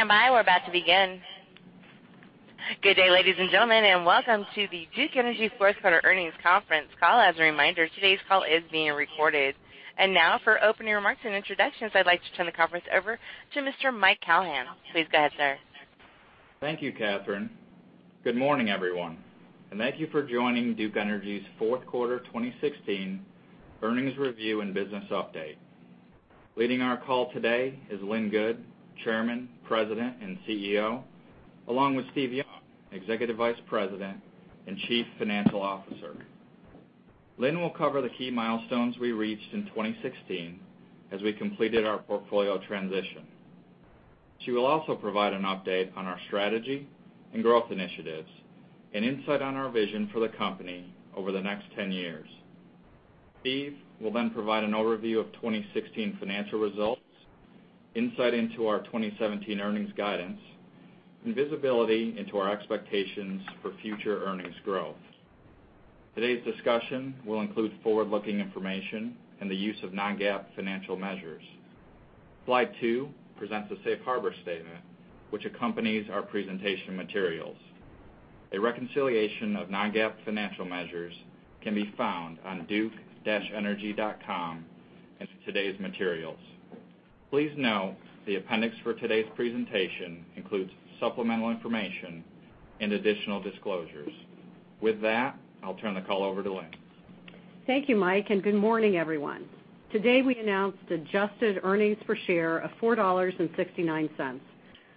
Stand by, we're about to begin. Good day, ladies and gentlemen, and welcome to the Duke Energy Fourth Quarter Earnings Conference Call. As a reminder, today's call is being recorded. Now for opening remarks and introductions, I'd like to turn the conference over to Mr. Mike Callahan. Please go ahead, sir. Thank you, Catherine. Good morning, everyone, thank you for joining Duke Energy's fourth quarter 2016 earnings review and business update. Leading our call today is Lynn Good, Chairman, President, and CEO, along with Steve Young, Executive Vice President and Chief Financial Officer. Lynn will cover the key milestones we reached in 2016 as we completed our portfolio transition. She will also provide an update on our strategy and growth initiatives and insight on our vision for the company over the next 10 years. Steve will provide an overview of 2016 financial results, insight into our 2017 earnings guidance, and visibility into our expectations for future earnings growth. Today's discussion will include forward-looking information and the use of non-GAAP financial measures. Slide 2 presents the safe harbor statement which accompanies our presentation materials. A reconciliation of non-GAAP financial measures can be found on duke-energy.com as today's materials. Please note the appendix for today's presentation includes supplemental information and additional disclosures. With that, I'll turn the call over to Lynn. Thank you, Mike, good morning, everyone. Today, we announced adjusted earnings per share of $4.69,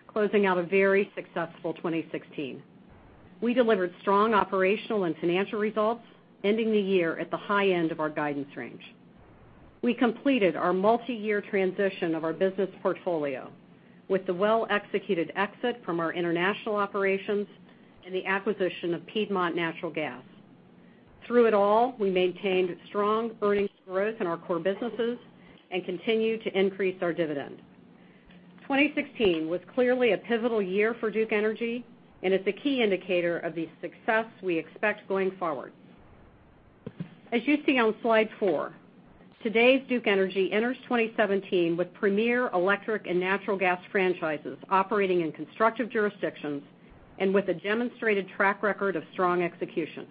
closing out a very successful 2016. We delivered strong operational and financial results, ending the year at the high end of our guidance range. We completed our multi-year transition of our business portfolio with the well-executed exit from our international operations and the acquisition of Piedmont Natural Gas. Through it all, we maintained strong earnings growth in our core businesses and continued to increase our dividend. 2016 was clearly a pivotal year for Duke Energy and is a key indicator of the success we expect going forward. As you see on Slide 4, today's Duke Energy enters 2017 with premier electric and natural gas franchises operating in constructive jurisdictions and with a demonstrated track record of strong execution.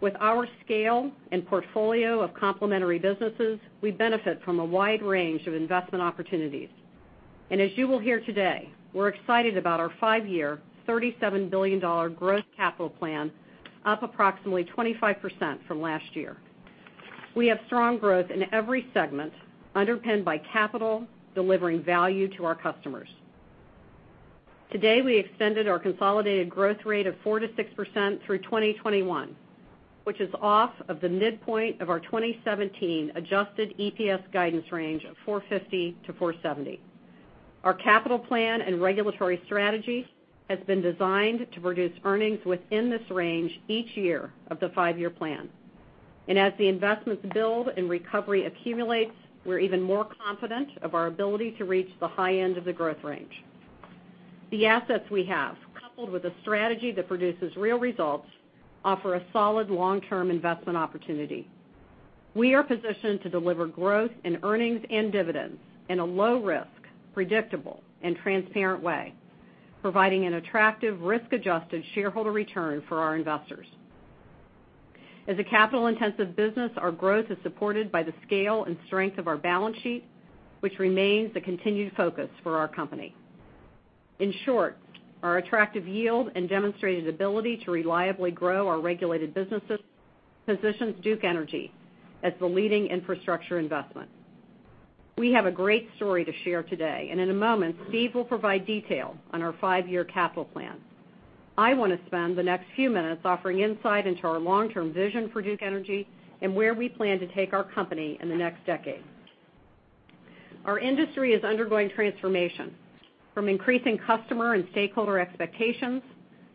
With our scale and portfolio of complementary businesses, we benefit from a wide range of investment opportunities. As you will hear today, we're excited about our five-year $37 billion growth capital plan, up approximately 25% from last year. We have strong growth in every segment underpinned by capital delivering value to our customers. Today, we extended our consolidated growth rate of 4%-6% through 2021, which is off of the midpoint of our 2017 adjusted EPS guidance range of $4.50-$4.70. Our capital plan and regulatory strategy has been designed to produce earnings within this range each year of the five-year plan. As the investments build and recovery accumulates, we're even more confident of our ability to reach the high end of the growth range. The assets we have, coupled with a strategy that produces real results, offer a solid long-term investment opportunity. We are positioned to deliver growth in earnings and dividends in a low risk, predictable, and transparent way, providing an attractive risk-adjusted shareholder return for our investors. As a capital-intensive business, our growth is supported by the scale and strength of our balance sheet, which remains a continued focus for our company. In short, our attractive yield and demonstrated ability to reliably grow our regulated businesses positions Duke Energy as the leading infrastructure investment. We have a great story to share today. In a moment, Steve will provide detail on our five-year capital plan. I want to spend the next few minutes offering insight into our long-term vision for Duke Energy and where we plan to take our company in the next decade. Our industry is undergoing transformation from increasing customer and stakeholder expectations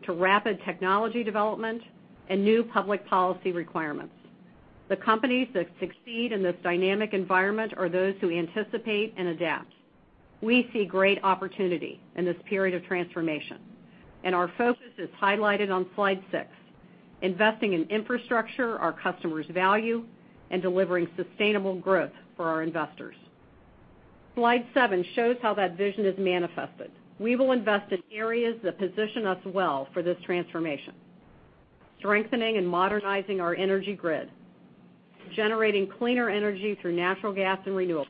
to rapid technology development and new public policy requirements. The companies that succeed in this dynamic environment are those who anticipate and adapt. We see great opportunity in this period of transformation. Our focus is highlighted on Slide six, investing in infrastructure our customers value and delivering sustainable growth for our investors. Slide seven shows how that vision is manifested. We will invest in areas that position us well for this transformation, strengthening and modernizing our energy grid, generating cleaner energy through natural gas and renewables,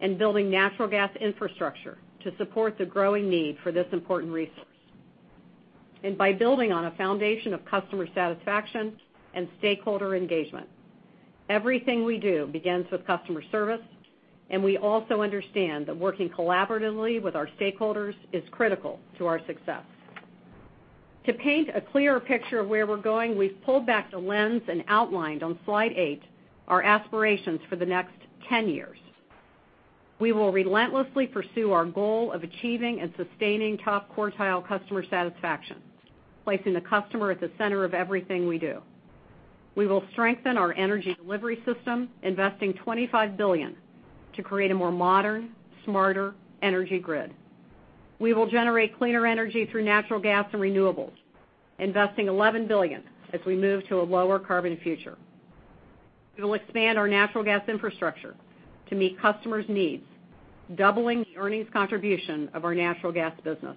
and building natural gas infrastructure to support the growing need for this important resource. By building on a foundation of customer satisfaction and stakeholder engagement, everything we do begins with customer service. We also understand that working collaboratively with our stakeholders is critical to our success. To paint a clearer picture of where we're going, we've pulled back the lens. Outlined on Slide eight our aspirations for the next 10 years. We will relentlessly pursue our goal of achieving and sustaining top-quartile customer satisfaction, placing the customer at the center of everything we do. We will strengthen our energy delivery system, investing $25 billion to create a more modern, smarter energy grid. We will generate cleaner energy through natural gas and renewables, investing $11 billion as we move to a lower carbon future. We will expand our natural gas infrastructure to meet customers' needs, doubling the earnings contribution of our natural gas business.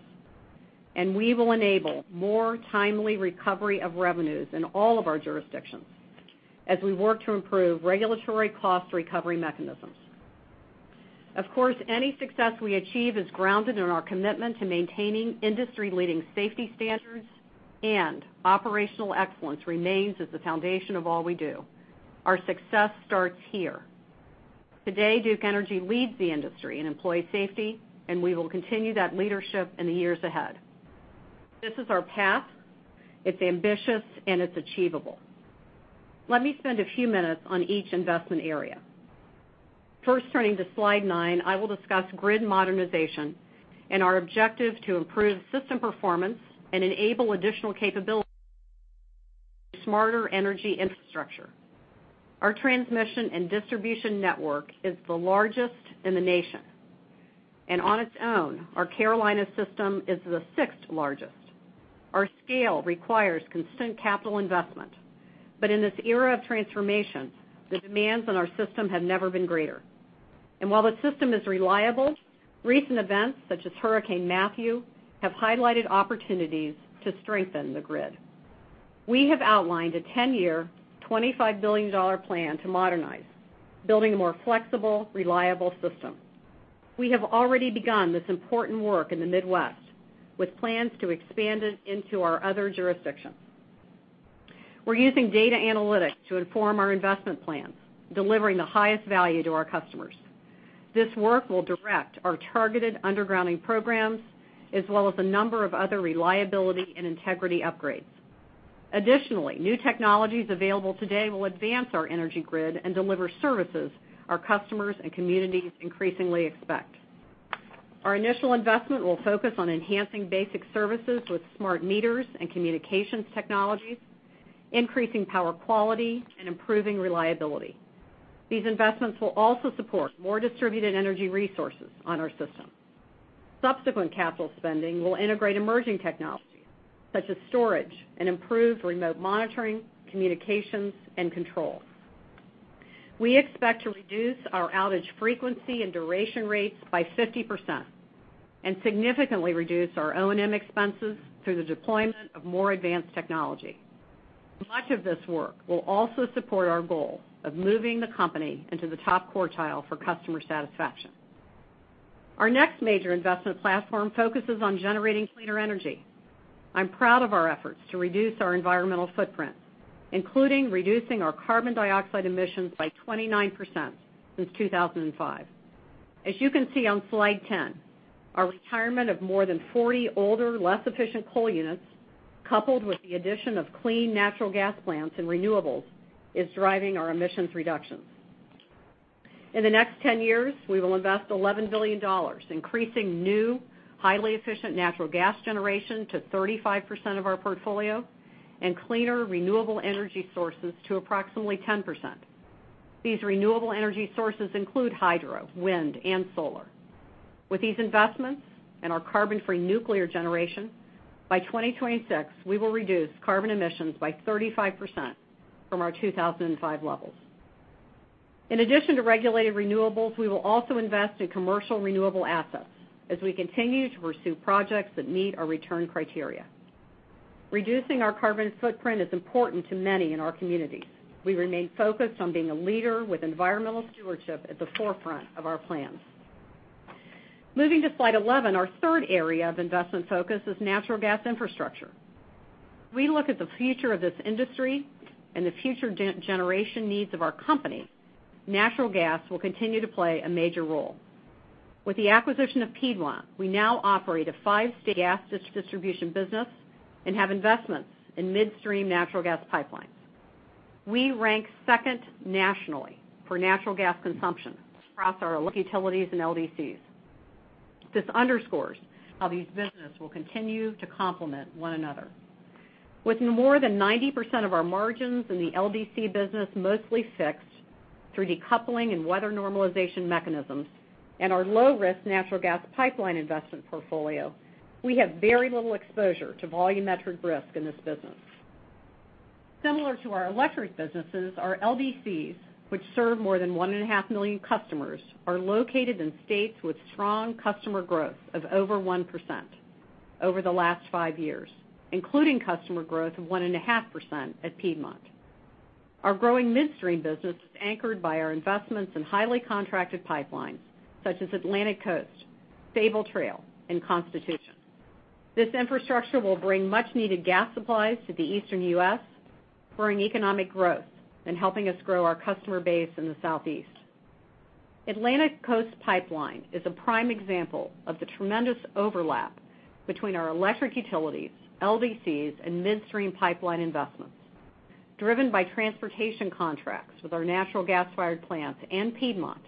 We will enable more timely recovery of revenues in all of our jurisdictions as we work to improve regulatory cost recovery mechanisms. Of course, any success we achieve is grounded in our commitment to maintaining industry-leading safety standards, operational excellence remains as the foundation of all we do. Our success starts here. Today, Duke Energy leads the industry in employee safety, we will continue that leadership in the years ahead. This is our path. It's ambitious, it's achievable. Let me spend a few minutes on each investment area. First, turning to slide 9, I will discuss grid modernization and our objective to improve system performance and enable additional capability, smarter energy infrastructure. Our transmission and distribution network is the largest in the nation. On its own, our Carolina system is the sixth-largest. Our scale requires constant capital investment, in this era of transformation, the demands on our system have never been greater. While the system is reliable, recent events such as Hurricane Matthew have highlighted opportunities to strengthen the grid. We have outlined a 10-year, $25 billion plan to modernize, building a more flexible, reliable system. We have already begun this important work in the Midwest, with plans to expand it into our other jurisdictions. We're using data analytics to inform our investment plans, delivering the highest value to our customers. This work will direct our targeted undergrounding programs, as well as a number of other reliability and integrity upgrades. Additionally, new technologies available today will advance our energy grid and deliver services our customers and communities increasingly expect. Our initial investment will focus on enhancing basic services with smart meters and communications technologies, increasing power quality, and improving reliability. These investments will also support more distributed energy resources on our system. Subsequent capital spending will integrate emerging technology such as storage and improved remote monitoring, communications, and control. We expect to reduce our outage frequency and duration rates by 50% significantly reduce our O&M expenses through the deployment of more advanced technology. Much of this work will also support our goal of moving the company into the top quartile for customer satisfaction. Our next major investment platform focuses on generating cleaner energy. I'm proud of our efforts to reduce our environmental footprint, including reducing our carbon dioxide emissions by 29% since 2005. As you can see on slide 10, our retirement of more than 40 older, less efficient coal units, coupled with the addition of clean natural gas plants and renewables, is driving our emissions reductions. In the next 10 years, we will invest $11 billion, increasing new, highly efficient natural gas generation to 35% of our portfolio cleaner renewable energy sources to approximately 10%. These renewable energy sources include hydro, wind, and solar. With these investments and our carbon-free nuclear generation, by 2026, we will reduce carbon emissions by 35% from our 2005 levels. In addition to regulated renewables, we will also invest in commercial renewable assets as we continue to pursue projects that meet our return criteria. Reducing our carbon footprint is important to many in our communities. We remain focused on being a leader with environmental stewardship at the forefront of our plans. Moving to slide 11, our third area of investment focus is natural gas infrastructure. We look at the future of this industry and the future generation needs of our company. Natural gas will continue to play a major role. With the acquisition of Piedmont, we now operate a five-state gas distribution business and have investments in midstream natural gas pipelines. We rank second nationally for natural gas consumption across our utilities and LDCs. This underscores how these businesses will continue to complement one another. With more than 90% of our margins in the LDC business mostly fixed through decoupling and weather normalization mechanisms and our low-risk natural gas pipeline investment portfolio, we have very little exposure to volumetric risk in this business. Similar to our electric businesses, our LDCs, which serve more than 1.5 million customers, are located in states with strong customer growth of over 1% over the last five years, including customer growth of 1.5% at Piedmont. Our growing midstream business is anchored by our investments in highly contracted pipelines such as Atlantic Coast, Sabal Trail, and Constitution. This infrastructure will bring much-needed gas supplies to the Eastern U.S., spurring economic growth and helping us grow our customer base in the Southeast. Atlantic Coast Pipeline is a prime example of the tremendous overlap between our electric utilities, LDCs, and midstream pipeline investments. Driven by transportation contracts with our natural gas-fired plants and Piedmont,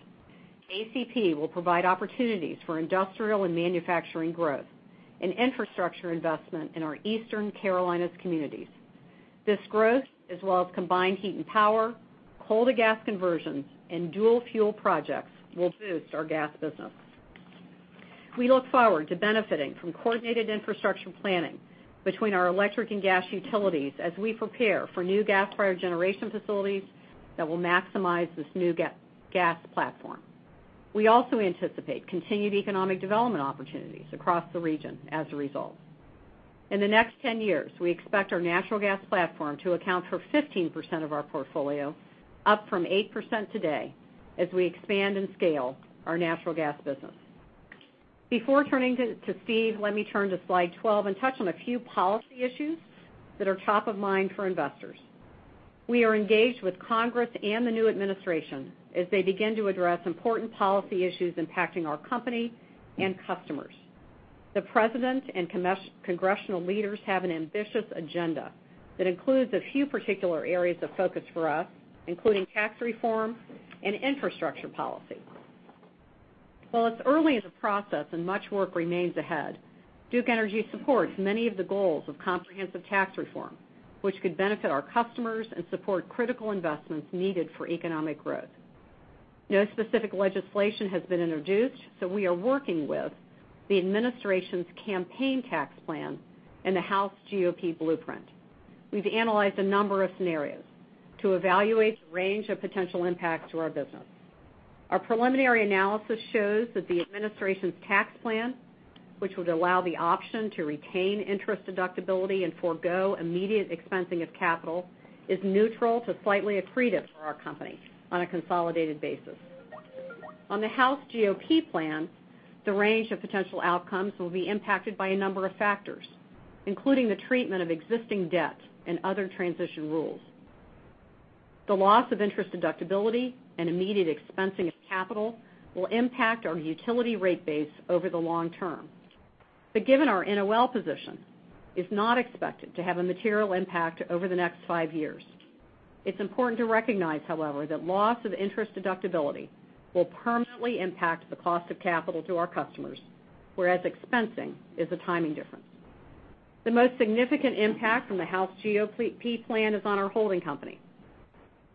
ACP will provide opportunities for industrial and manufacturing growth and infrastructure investment in our Eastern Carolinas communities. This growth, as well as combined heat and power, coal-to-gas conversions, and dual-fuel projects, will boost our gas business. We look forward to benefiting from coordinated infrastructure planning between our electric and gas utilities as we prepare for new gas-fired generation facilities that will maximize this new gas platform. We also anticipate continued economic development opportunities across the region as a result. In the next 10 years, we expect our natural gas platform to account for 15% of our portfolio, up from 8% today, as we expand and scale our natural gas business. Before turning to Steve, let me turn to slide 12 and touch on a few policy issues that are top of mind for investors. We are engaged with Congress and the new administration as they begin to address important policy issues impacting our company and customers. The president and congressional leaders have an ambitious agenda that includes a few particular areas of focus for us, including tax reform and infrastructure policy. While it's early in the process and much work remains ahead, Duke Energy supports many of the goals of comprehensive tax reform, which could benefit our customers and support critical investments needed for economic growth. No specific legislation has been introduced, so we are working with the administration's campaign tax plan and the House GOP blueprint. We've analyzed a number of scenarios to evaluate the range of potential impacts to our business. Our preliminary analysis shows that the administration's tax plan, which would allow the option to retain interest deductibility and forego immediate expensing of capital, is neutral to slightly accretive for our company on a consolidated basis. On the House GOP plan, the range of potential outcomes will be impacted by a number of factors, including the treatment of existing debt and other transition rules. The loss of interest deductibility and immediate expensing of capital will impact our utility rate base over the long term. But given our NOL position, it's not expected to have a material impact over the next five years. It's important to recognize, however, that loss of interest deductibility will permanently impact the cost of capital to our customers, whereas expensing is a timing difference. The most significant impact from the House GOP plan is on our holdco.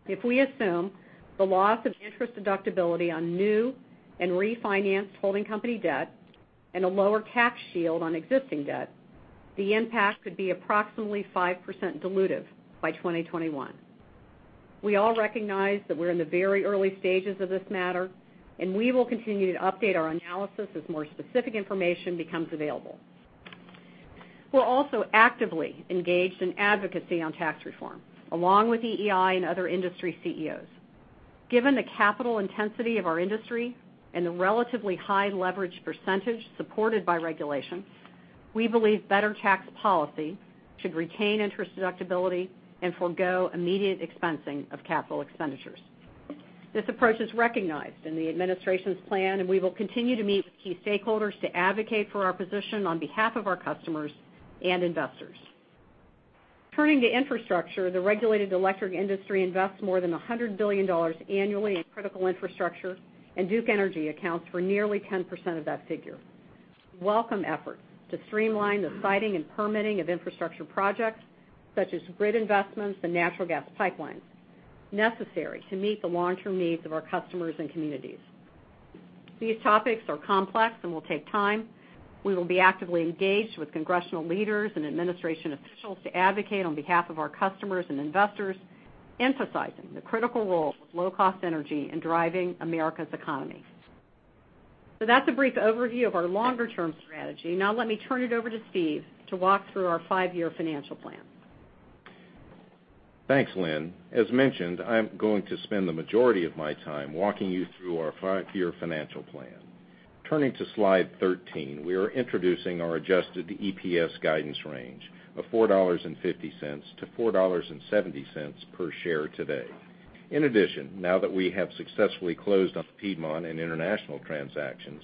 If we assume the loss of interest deductibility on new and refinanced holdco debt and a lower tax shield on existing debt, the impact could be approximately 5% dilutive by 2021. We all recognize that we're in the very early stages of this matter, and we will continue to update our analysis as more specific information becomes available. We're also actively engaged in advocacy on tax reform, along with EEI and other industry CEOs. Given the capital intensity of our industry and the relatively high leverage percentage supported by regulation, we believe better tax policy should retain interest deductibility and forego immediate expensing of capital expenditures. This approach is recognized in the administration's plan, and we will continue to meet with key stakeholders to advocate for our position on behalf of our customers and investors. Turning to infrastructure, the regulated electric industry invests more than $100 billion annually in critical infrastructure, and Duke Energy accounts for nearly 10% of that figure. Welcome efforts to streamline the siting and permitting of infrastructure projects, such as grid investments and natural gas pipelines necessary to meet the long-term needs of our customers and communities. These topics are complex and will take time. We will be actively engaged with congressional leaders and administration officials to advocate on behalf of our customers and investors, emphasizing the critical role of low-cost energy in driving America's economy. That's a brief overview of our longer-term strategy. Let me turn it over to Steve to walk through our five-year financial plan. Thanks, Lynn. As mentioned, I'm going to spend the majority of my time walking you through our five-year financial plan. Turning to slide 13, we are introducing our adjusted EPS guidance range of $4.50-$4.70 per share today. In addition, now that we have successfully closed on the Piedmont and international transactions,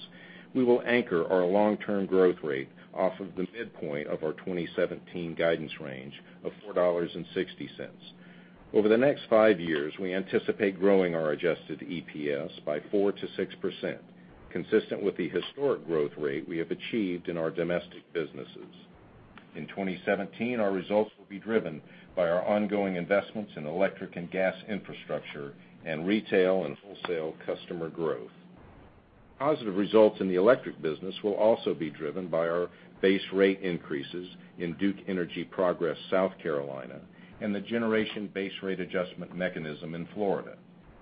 we will anchor our long-term growth rate off of the midpoint of our 2017 guidance range of $4.60. Over the next five years, we anticipate growing our adjusted EPS by 4%-6%, consistent with the historic growth rate we have achieved in our domestic businesses. In 2017, our results will be driven by our ongoing investments in electric and gas infrastructure and retail and wholesale customer growth. Positive results in the electric business will also be driven by our base rate increases in Duke Energy Progress South Carolina and the generation base rate adjustment mechanism in Florida.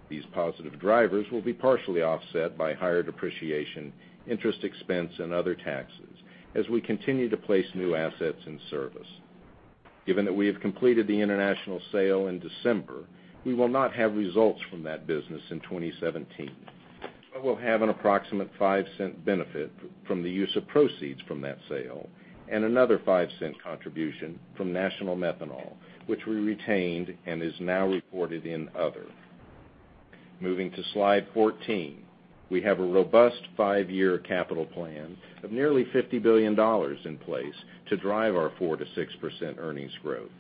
These positive drivers will be partially offset by higher depreciation, interest expense, and other taxes as we continue to place new assets in service. Given that we have completed the international sale in December, we will not have results from that business in 2017, but we'll have an approximate $0.05 benefit from the use of proceeds from that sale and another $0.05 contribution from National Methanol, which we retained and is now reported in other. Moving to slide 14. We have a robust five-year capital plan of nearly $50 billion in place to drive our 4%-6% earnings growth.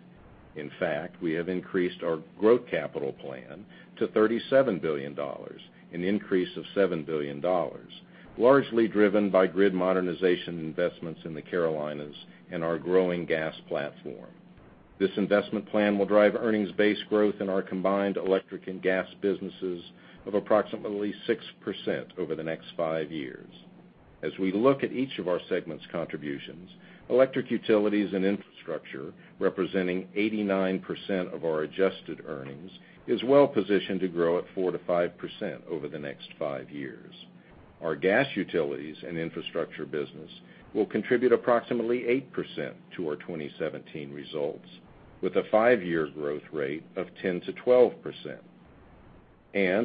In fact, we have increased our growth capital plan to $37 billion, an increase of $7 billion, largely driven by grid modernization investments in the Carolinas and our growing gas platform. This investment plan will drive earnings-based growth in our combined electric and gas businesses of approximately 6% over the next five years. As we look at each of our segment's contributions, electric utilities and infrastructure, representing 89% of our adjusted earnings, is well-positioned to grow at 4%-5% over the next five years. Our gas utilities and infrastructure business will contribute approximately 8% to our 2017 results, with a five-year growth rate of 10%-12%.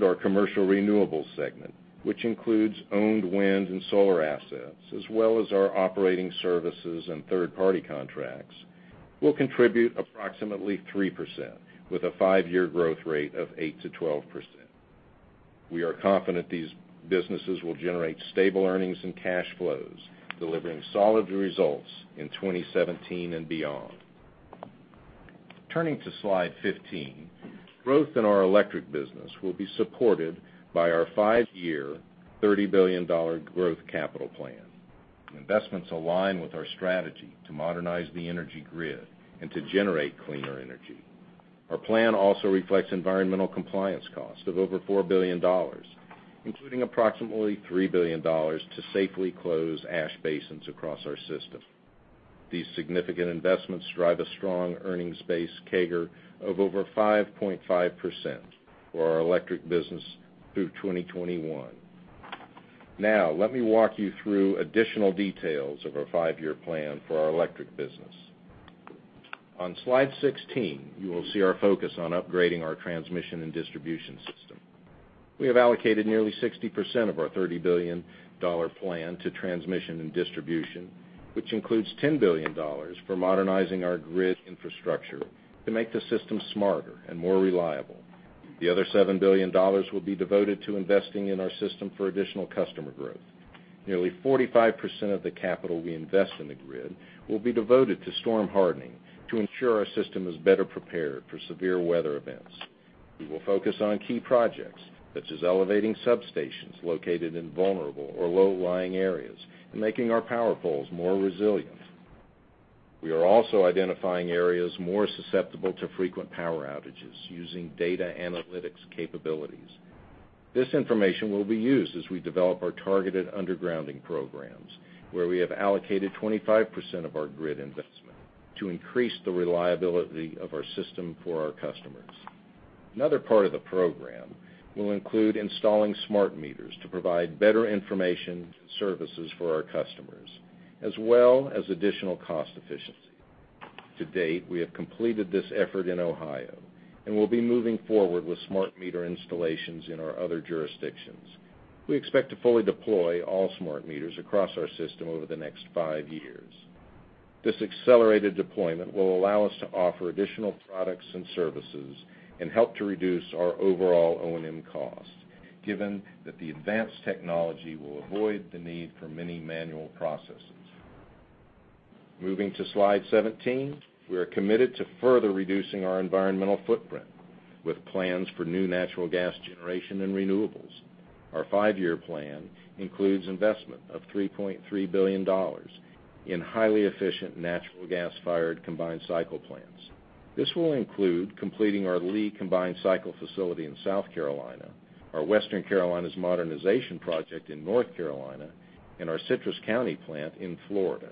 Our commercial renewables segment, which includes owned wind and solar assets, as well as our operating services and third-party contracts, will contribute approximately 3%, with a five-year growth rate of 8%-12%. We are confident these businesses will generate stable earnings and cash flows, delivering solid results in 2017 and beyond. Turning to slide 15, growth in our electric business will be supported by our five-year $30 billion growth capital plan, investments align with our strategy to modernize the energy grid and to generate cleaner energy. Our plan also reflects environmental compliance costs of over $4 billion, including approximately $3 billion to safely close ash basins across our system. These significant investments drive a strong earnings base CAGR of over 5.5% for our electric business through 2021. Let me walk you through additional details of our five-year plan for our electric business. On slide 16, you will see our focus on upgrading our transmission and distribution system. We have allocated nearly 60% of our $30 billion plan to transmission and distribution, which includes $10 billion for modernizing our grid infrastructure to make the system smarter and more reliable. The other $7 billion will be devoted to investing in our system for additional customer growth. Nearly 45% of the capital we invest in the grid will be devoted to storm hardening to ensure our system is better prepared for severe weather events. We will focus on key projects, such as elevating substations located in vulnerable or low-lying areas and making our power poles more resilient. We are also identifying areas more susceptible to frequent power outages using data analytics capabilities. This information will be used as we develop our targeted undergrounding programs, where we have allocated 25% of our grid investment to increase the reliability of our system for our customers. Another part of the program will include installing smart meters to provide better information services for our customers, as well as additional cost efficiency. To date, we have completed this effort in Ohio and will be moving forward with smart meter installations in our other jurisdictions. We expect to fully deploy all smart meters across our system over the next five years. This accelerated deployment will allow us to offer additional products and services and help to reduce our overall O&M cost, given that the advanced technology will avoid the need for many manual processes. Moving to slide 17, we are committed to further reducing our environmental footprint with plans for new natural gas generation and renewables. Our five-year plan includes investment of $3.3 billion in highly efficient natural gas-fired combined cycle plants. This will include completing our W.S. Lee Station in South Carolina, our Western Carolinas modernization project in North Carolina, and our Citrus County plant in Florida,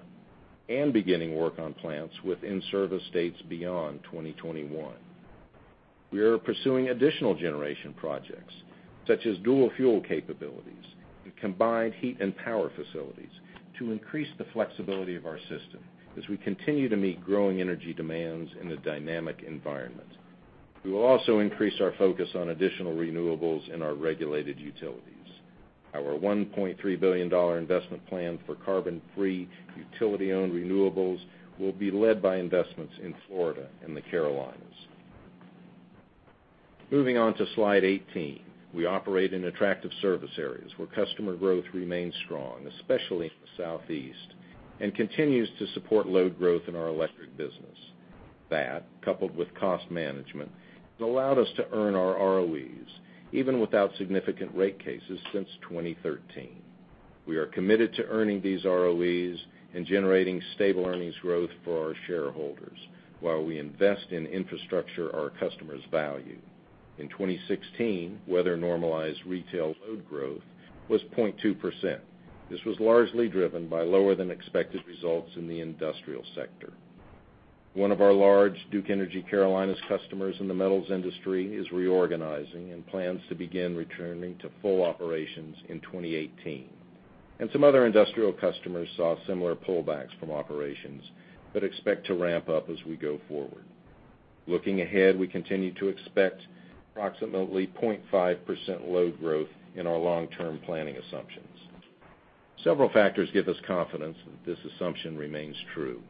and beginning work on plants with in-service dates beyond 2021. We are pursuing additional generation projects, such as dual-fuel capabilities and combined heat and power facilities, to increase the flexibility of our system as we continue to meet growing energy demands in a dynamic environment. We will also increase our focus on additional renewables in our regulated utilities. Our $1.3 billion investment plan for carbon-free, utility-owned renewables will be led by investments in Florida and the Carolinas. Moving on to slide 18. We operate in attractive service areas where customer growth remains strong, especially in the Southeast, and continues to support load growth in our electric business. That, coupled with cost management, has allowed us to earn our ROEs, even without significant rate cases since 2013. We are committed to earning these ROEs and generating stable earnings growth for our shareholders while we invest in infrastructure our customers value. In 2016, weather-normalized retail load growth was 0.2%. This was largely driven by lower than expected results in the industrial sector. One of our large Duke Energy Carolinas customers in the metals industry is reorganizing and plans to begin returning to full operations in 2018, and some other industrial customers saw similar pullbacks from operations but expect to ramp up as we go forward. Looking ahead, we continue to expect approximately 0.5% load growth in our long-term planning assumptions. Several factors give us confidence that this assumption remains true.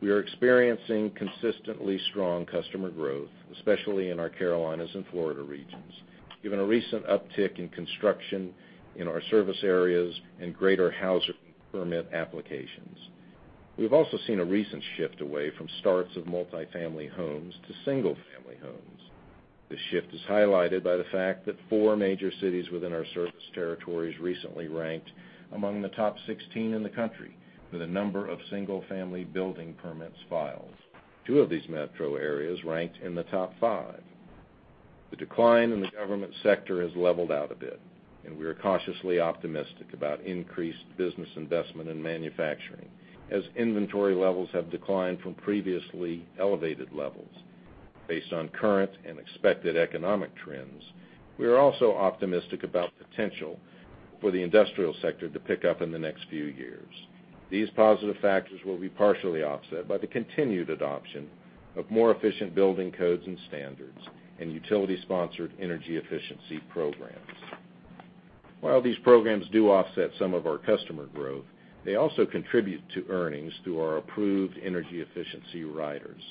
We are experiencing consistently strong customer growth, especially in our Carolinas and Florida regions, given a recent uptick in construction in our service areas and greater housing permit applications. We've also seen a recent shift away from starts of multifamily homes to single-family homes. This shift is highlighted by the fact that four major cities within our service territories recently ranked among the top 16 in the country with a number of single-family building permits filed. Two of these metro areas ranked in the top five. The decline in the government sector has leveled out a bit, and we are cautiously optimistic about increased business investment in manufacturing as inventory levels have declined from previously elevated levels. Based on current and expected economic trends, we are also optimistic about potential for the industrial sector to pick up in the next few years. These positive factors will be partially offset by the continued adoption of more efficient building codes and standards and utility-sponsored energy efficiency programs. While these programs do offset some of our customer growth, they also contribute to earnings through our approved energy efficiency riders.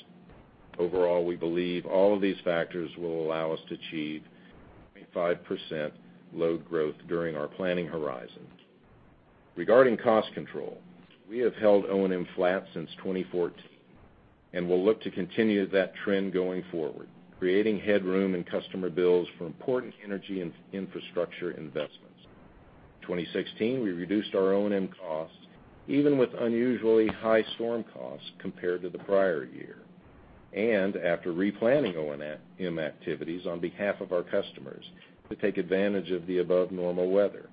Overall, we believe all of these factors will allow us to achieve a 0.5% load growth during our planning horizon. Regarding cost control, we have held O&M flat since 2014, and we'll look to continue that trend going forward, creating headroom and customer bills for important energy infrastructure investments. 2016, we reduced our O&M costs even with unusually high storm costs compared to the prior year. After replanning O&M activities on behalf of our customers to take advantage of the above normal weather.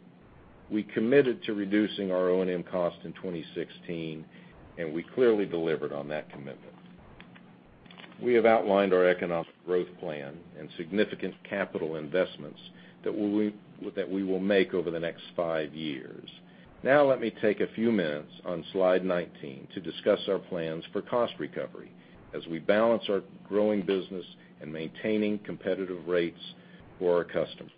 We committed to reducing our O&M costs in 2016, and we clearly delivered on that commitment. We have outlined our economic growth plan and significant capital investments that we will make over the next five years. Now let me take a few minutes on slide 19 to discuss our plans for cost recovery as we balance our growing business and maintaining competitive rates for our customers.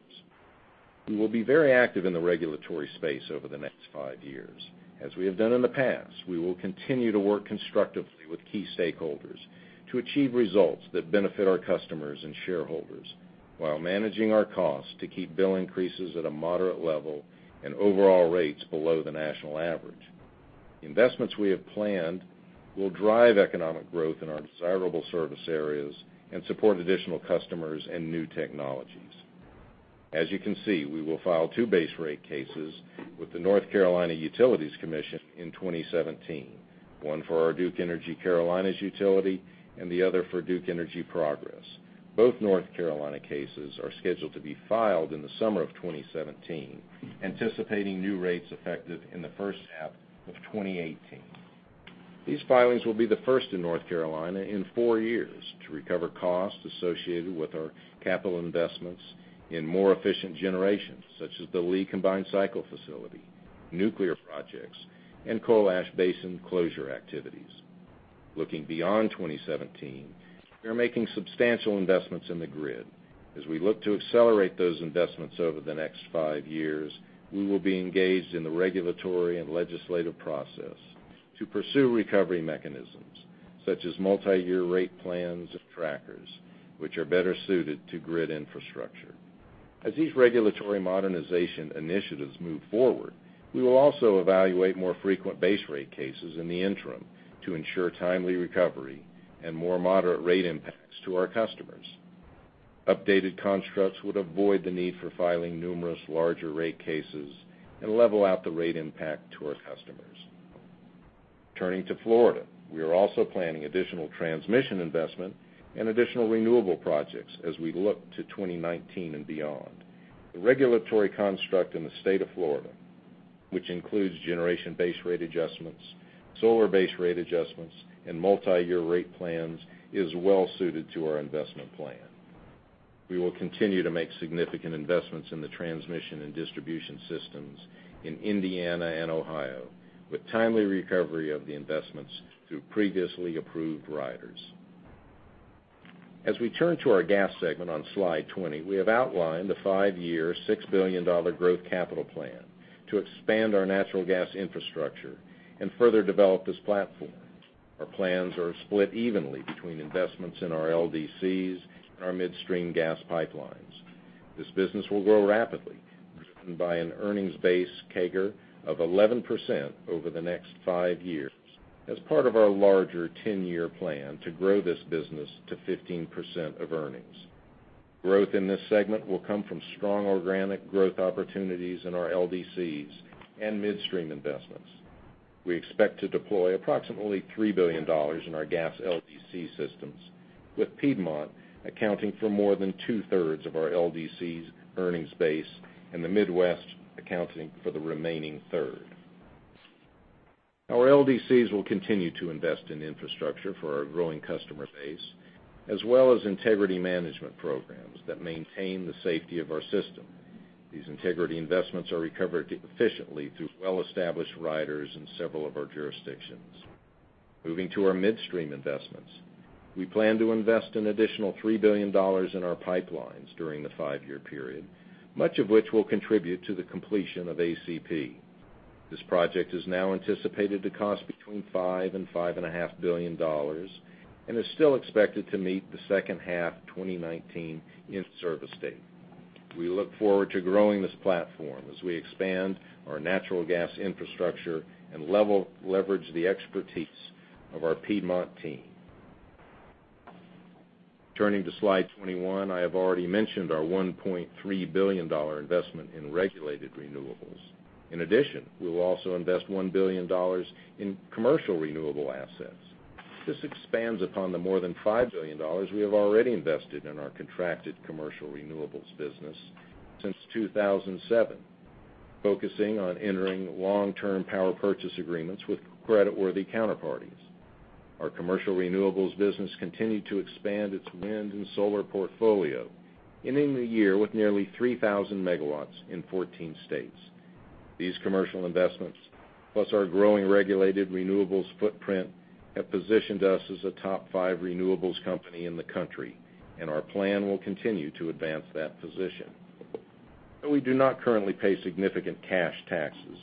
We will be very active in the regulatory space over the next five years. As we have done in the past, we will continue to work constructively with key stakeholders to achieve results that benefit our customers and shareholders while managing our costs to keep bill increases at a moderate level and overall rates below the national average. Investments we have planned will drive economic growth in our desirable service areas and support additional customers and new technologies. As you can see, we will file two base rate cases with the North Carolina Utilities Commission in 2017, one for our Duke Energy Carolinas utility and the other for Duke Energy Progress. Both North Carolina cases are scheduled to be filed in the summer of 2017, anticipating new rates effective in the first half of 2018. These filings will be the first in North Carolina in four years to recover costs associated with our capital investments in more efficient generations, such as the W.S. Lee combined cycle facility, nuclear projects, and coal ash basin closure activities. Looking beyond 2017, we are making substantial investments in the grid. As we look to accelerate those investments over the next five years, we will be engaged in the regulatory and legislative process to pursue recovery mechanisms such as multi-year rate plans and trackers, which are better suited to grid infrastructure. As these regulatory modernization initiatives move forward, we will also evaluate more frequent base rate cases in the interim to ensure timely recovery and more moderate rate impacts to our customers. Updated constructs would avoid the need for filing numerous larger rate cases and level out the rate impact to our customers. Turning to Florida, we are also planning additional transmission investment and additional renewable projects as we look to 2019 and beyond. The regulatory construct in the state of Florida, which includes generation base rate adjustments, solar base rate adjustments, and multi-year rate plans, is well suited to our investment plan. We will continue to make significant investments in the transmission and distribution systems in Indiana and Ohio, with timely recovery of the investments through previously approved riders. As we turn to our gas segment on slide 20, we have outlined a five-year, $6 billion growth capital plan to expand our natural gas infrastructure and further develop this platform. Our plans are split evenly between investments in our LDCs and our midstream gas pipelines. This business will grow rapidly, driven by an earnings base CAGR of 11% over the next five years as part of our larger 10-year plan to grow this business to 15% of earnings. Growth in this segment will come from strong organic growth opportunities in our LDCs and midstream investments. We expect to deploy approximately $3 billion in our gas LDC systems, with Piedmont accounting for more than two-thirds of our LDC's earnings base and the Midwest accounting for the remaining third. Our LDCs will continue to invest in infrastructure for our growing customer base, as well as integrity management programs that maintain the safety of our system. These integrity investments are recovered efficiently through well-established riders in several of our jurisdictions. Moving to our midstream investments, we plan to invest an additional $3 billion in our pipelines during the five-year period, much of which will contribute to the completion of ACP. This project is now anticipated to cost between $5 billion and $5.5 billion, and is still expected to meet the second half 2019 in-service date. We look forward to growing this platform as we expand our natural gas infrastructure and leverage the expertise of our Piedmont team. Turning to slide 21. I have already mentioned our $1.3 billion investment in regulated renewables. In addition, we will also invest $1 billion in commercial renewable assets. This expands upon the more than $5 billion we have already invested in our contracted commercial renewables business since 2007, focusing on entering long-term power purchase agreements with creditworthy counterparties. Our commercial renewables business continued to expand its wind and solar portfolio, ending the year with nearly 3,000 megawatts in 14 states. These commercial investments, plus our growing regulated renewables footprint, have positioned us as a top five renewables company in the country, and our plan will continue to advance that position. We do not currently pay significant cash taxes.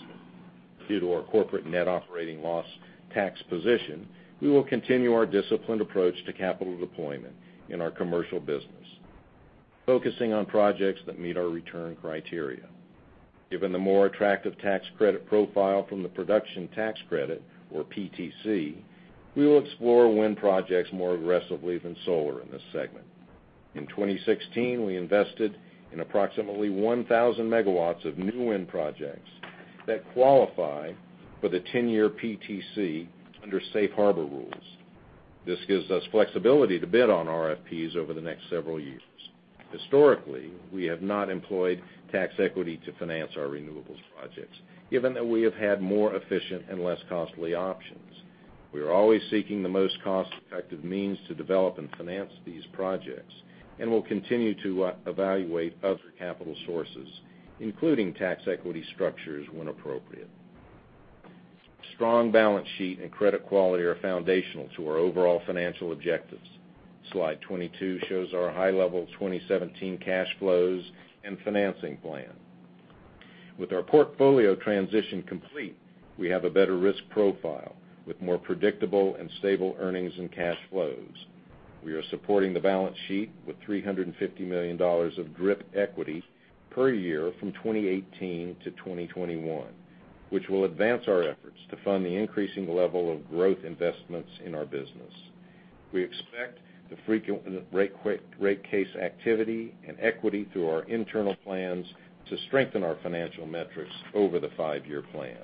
Due to our corporate net operating loss tax position, we will continue our disciplined approach to capital deployment in our commercial business, focusing on projects that meet our return criteria. Given the more attractive tax credit profile from the production tax credit, or PTC, we will explore wind projects more aggressively than solar in this segment. In 2016, we invested in approximately 1,000 megawatts of new wind projects that qualify for the 10-year PTC under safe harbor rules. This gives us flexibility to bid on RFPs over the next several years. Historically, we have not employed tax equity to finance our renewables projects, given that we have had more efficient and less costly options. We are always seeking the most cost-effective means to develop and finance these projects and will continue to evaluate other capital sources, including tax equity structures when appropriate. Strong balance sheet and credit quality are foundational to our overall financial objectives. Slide 22 shows our high-level 2017 cash flows and financing plan. With our portfolio transition complete, we have a better risk profile with more predictable and stable earnings and cash flows. We are supporting the balance sheet with $350 million of DRIP equity per year from 2018 to 2021, which will advance our efforts to fund the increasing level of growth investments in our business. We expect the frequent rate case activity and equity through our internal plans to strengthen our financial metrics over the five-year plan.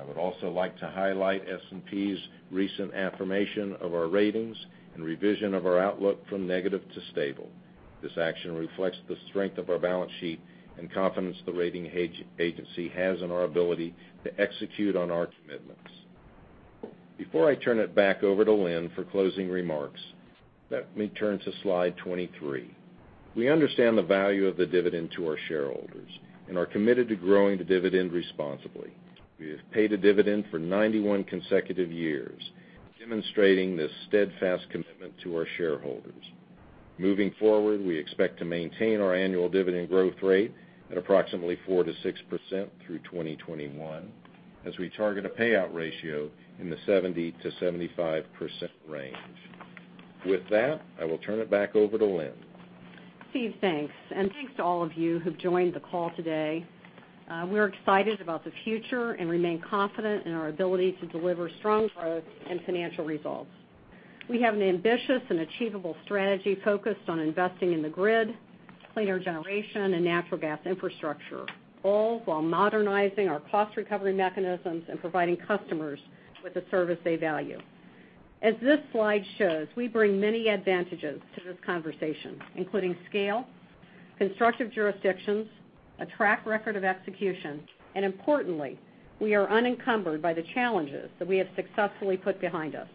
I would also like to highlight S&P's recent affirmation of our ratings and revision of our outlook from negative to stable. This action reflects the strength of our balance sheet and confidence the rating agency has in our ability to execute on our commitments. Before I turn it back over to Lynn for closing remarks, let me turn to slide 23. We understand the value of the dividend to our shareholders and are committed to growing the dividend responsibly. We have paid a dividend for 91 consecutive years, demonstrating this steadfast commitment to our shareholders. Moving forward, we expect to maintain our annual dividend growth rate at approximately 4%-6% through 2021 as we target a payout ratio in the 70%-75% range. With that, I will turn it back over to Lynn. Steve, thanks. Thanks to all of you who've joined the call today. We're excited about the future and remain confident in our ability to deliver strong growth and financial results. We have an ambitious and achievable strategy focused on investing in the grid, cleaner generation, and natural gas infrastructure, all while modernizing our cost recovery mechanisms and providing customers with the service they value. As this slide shows, we bring many advantages to this conversation, including scale, constructive jurisdictions, a track record of execution, and importantly, we are unencumbered by the challenges that we have successfully put behind us.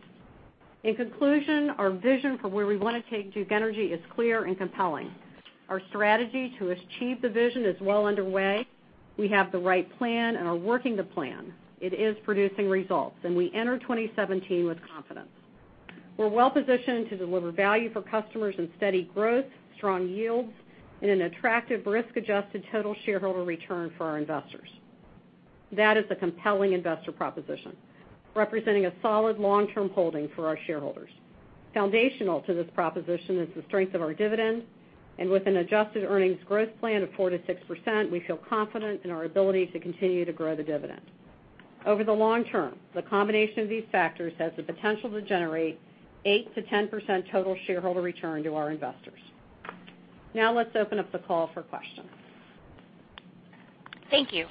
In conclusion, our vision for where we want to take Duke Energy is clear and compelling. Our strategy to achieve the vision is well underway. We have the right plan and are working the plan. It is producing results, and we enter 2017 with confidence. We're well-positioned to deliver value for customers and steady growth, strong yields, and an attractive risk-adjusted total shareholder return for our investors. That is a compelling investor proposition, representing a solid long-term holding for our shareholders. Foundational to this proposition is the strength of our dividend, and with an adjusted earnings growth plan of 4%-6%, we feel confident in our ability to continue to grow the dividend. Over the long term, the combination of these factors has the potential to generate 8%-10% total shareholder return to our investors. Now let's open up the call for questions. Thank you.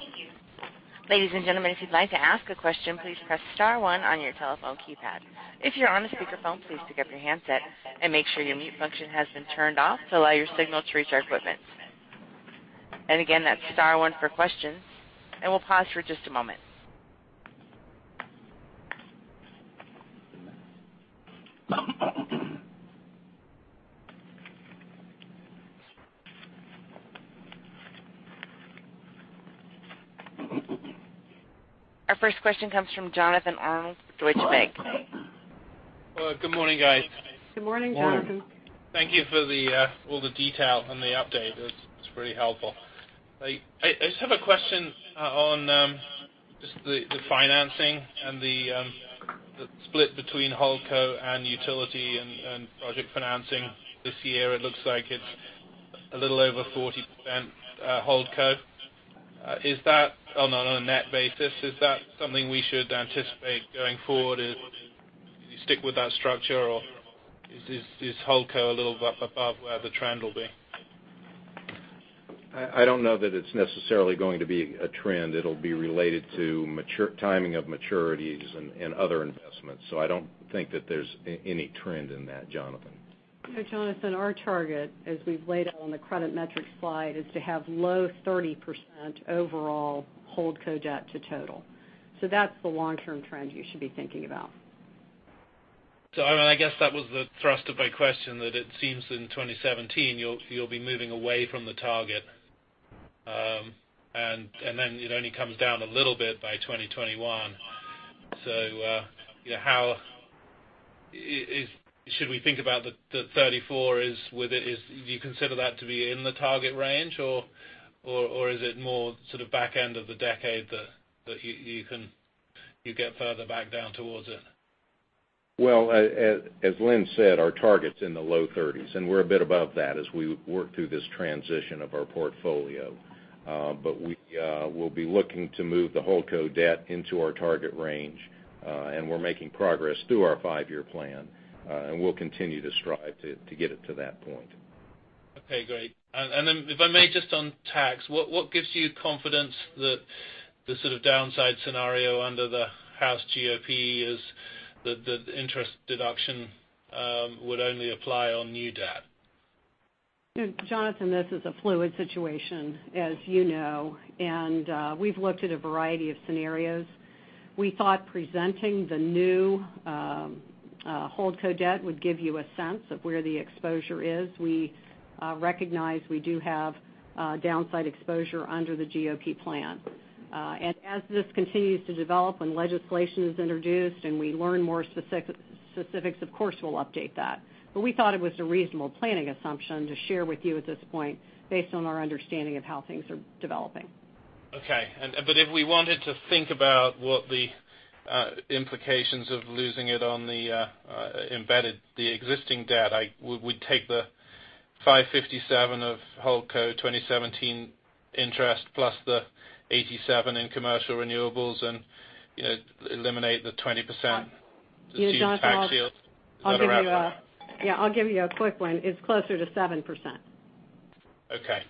Ladies and gentlemen, if you'd like to ask a question, please press *1 on your telephone keypad. If you're on a speakerphone, please pick up your handset and make sure your mute function has been turned off to allow your signal to reach our equipment. Again, that's *1 for questions, and we'll pause for just a moment. Our first question comes from Jonathan Arnold, Deutsche Bank. Good morning. Good morning, Jonathan. Thank you for all the detail on the update. It is pretty helpful. I just have a question on Just the financing and the split between holdco and utility and project financing this year, it looks like it is a little over 40% holdco. On a net basis, is that something we should anticipate going forward? Do you stick with that structure, or is holdco a little above where the trend will be? I don't know that it's necessarily going to be a trend. It'll be related to timing of maturities and other investments. I don't think that there's any trend in that, Jonathan. Jonathan, our target, as we've laid out on the credit metrics slide, is to have low 30% overall holdco debt to total. That's the long-term trend you should be thinking about. I guess that was the thrust of my question, that it seems in 2017 you'll be moving away from the target. It only comes down a little bit by 2021. Should we think about the 34, do you consider that to be in the target range? Or is it more sort of back end of the decade that you get further back down towards it? Well, as Lynn said, our target's in the low 30s, and we're a bit above that as we work through this transition of our portfolio. We'll be looking to move the holdco debt into our target range, and we're making progress through our five-year plan. We'll continue to strive to get it to that point. Okay, great. If I may, just on tax, what gives you confidence that the sort of downside scenario under the House GOP is that the interest deduction would only apply on new debt? Jonathan, this is a fluid situation, as you know, we've looked at a variety of scenarios. We thought presenting the new holdco debt would give you a sense of where the exposure is. We recognize we do have downside exposure under the GOP plan. As this continues to develop and legislation is introduced and we learn more specifics, of course, we'll update that. We thought it was a reasonable planning assumption to share with you at this point based on our understanding of how things are developing. Okay. If we wanted to think about what the implications of losing it on the embedded, the existing debt, we'd take the $557 of holdco 2017 interest plus the $87 in commercial renewables and eliminate the 20% assumed tax shield. Is that around fair? Yeah, I'll give you a quick one. It's closer to 7%. Okay.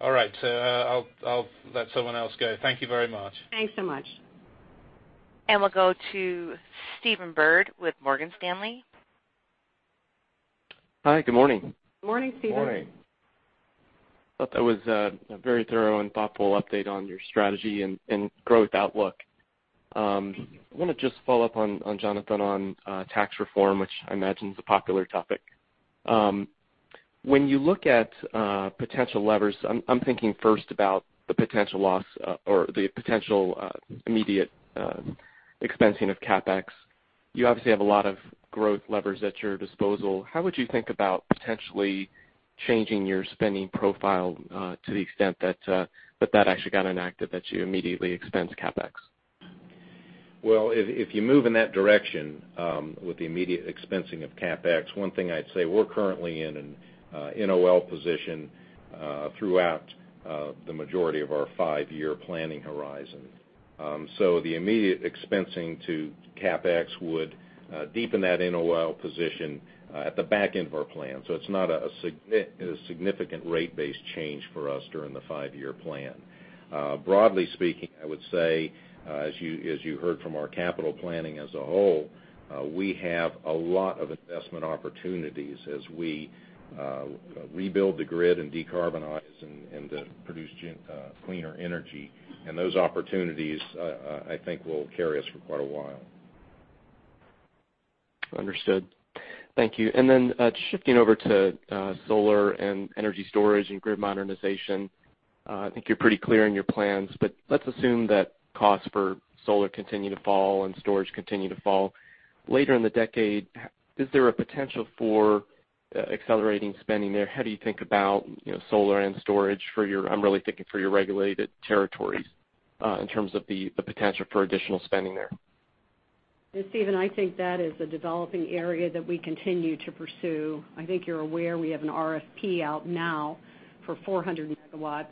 All right. I'll let someone else go. Thank you very much. Thanks so much. We'll go to Stephen Byrd with Morgan Stanley. Hi. Good morning. Morning, Stephen. Morning. Thought that was a very thorough and thoughtful update on your strategy and growth outlook. I want to just follow up on Jonathan on tax reform, which I imagine is a popular topic. When you look at potential levers, I'm thinking first about the potential loss or the potential immediate expensing of CapEx. You obviously have a lot of growth levers at your disposal. How would you think about potentially changing your spending profile to the extent that that actually got enacted, that you immediately expense CapEx? Well, if you move in that direction with the immediate expensing of CapEx, one thing I'd say, we're currently in an NOL position throughout the majority of our five-year planning horizon. The immediate expensing to CapEx would deepen that NOL position at the back end of our plan. It's not a significant rate base change for us during the five-year plan. Broadly speaking, I would say, as you heard from our capital planning as a whole, we have a lot of investment opportunities as we rebuild the grid and decarbonize and produce cleaner energy. Those opportunities, I think will carry us for quite a while. Understood. Thank you. Then shifting over to solar and energy storage and grid modernization. I think you're pretty clear in your plans, let's assume that costs for solar continue to fall and storage continue to fall. Later in the decade, is there a potential for accelerating spending there? How do you think about solar and storage for your, I'm really thinking for your regulated territories in terms of the potential for additional spending there? Stephen, I think that is a developing area that we continue to pursue. I think you're aware we have an RFP out now for 400 megawatts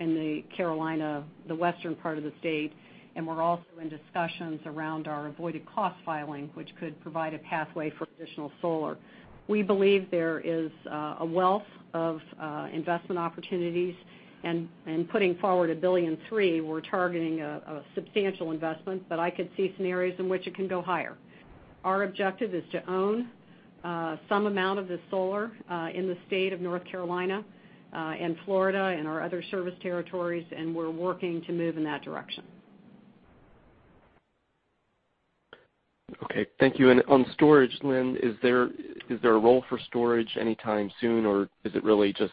in the western part of the state of North Carolina. We're also in discussions around our avoided cost filing, which could provide a pathway for additional solar. We believe there is a wealth of investment opportunities, putting forward $1.3 billion, we're targeting a substantial investment, but I could see scenarios in which it can go higher. Our objective is to own some amount of the solar in the state of North Carolina and Florida and our other service territories, and we're working to move in that direction. Okay. Thank you. On storage, Lynn, is there a role for storage anytime soon, or is it really just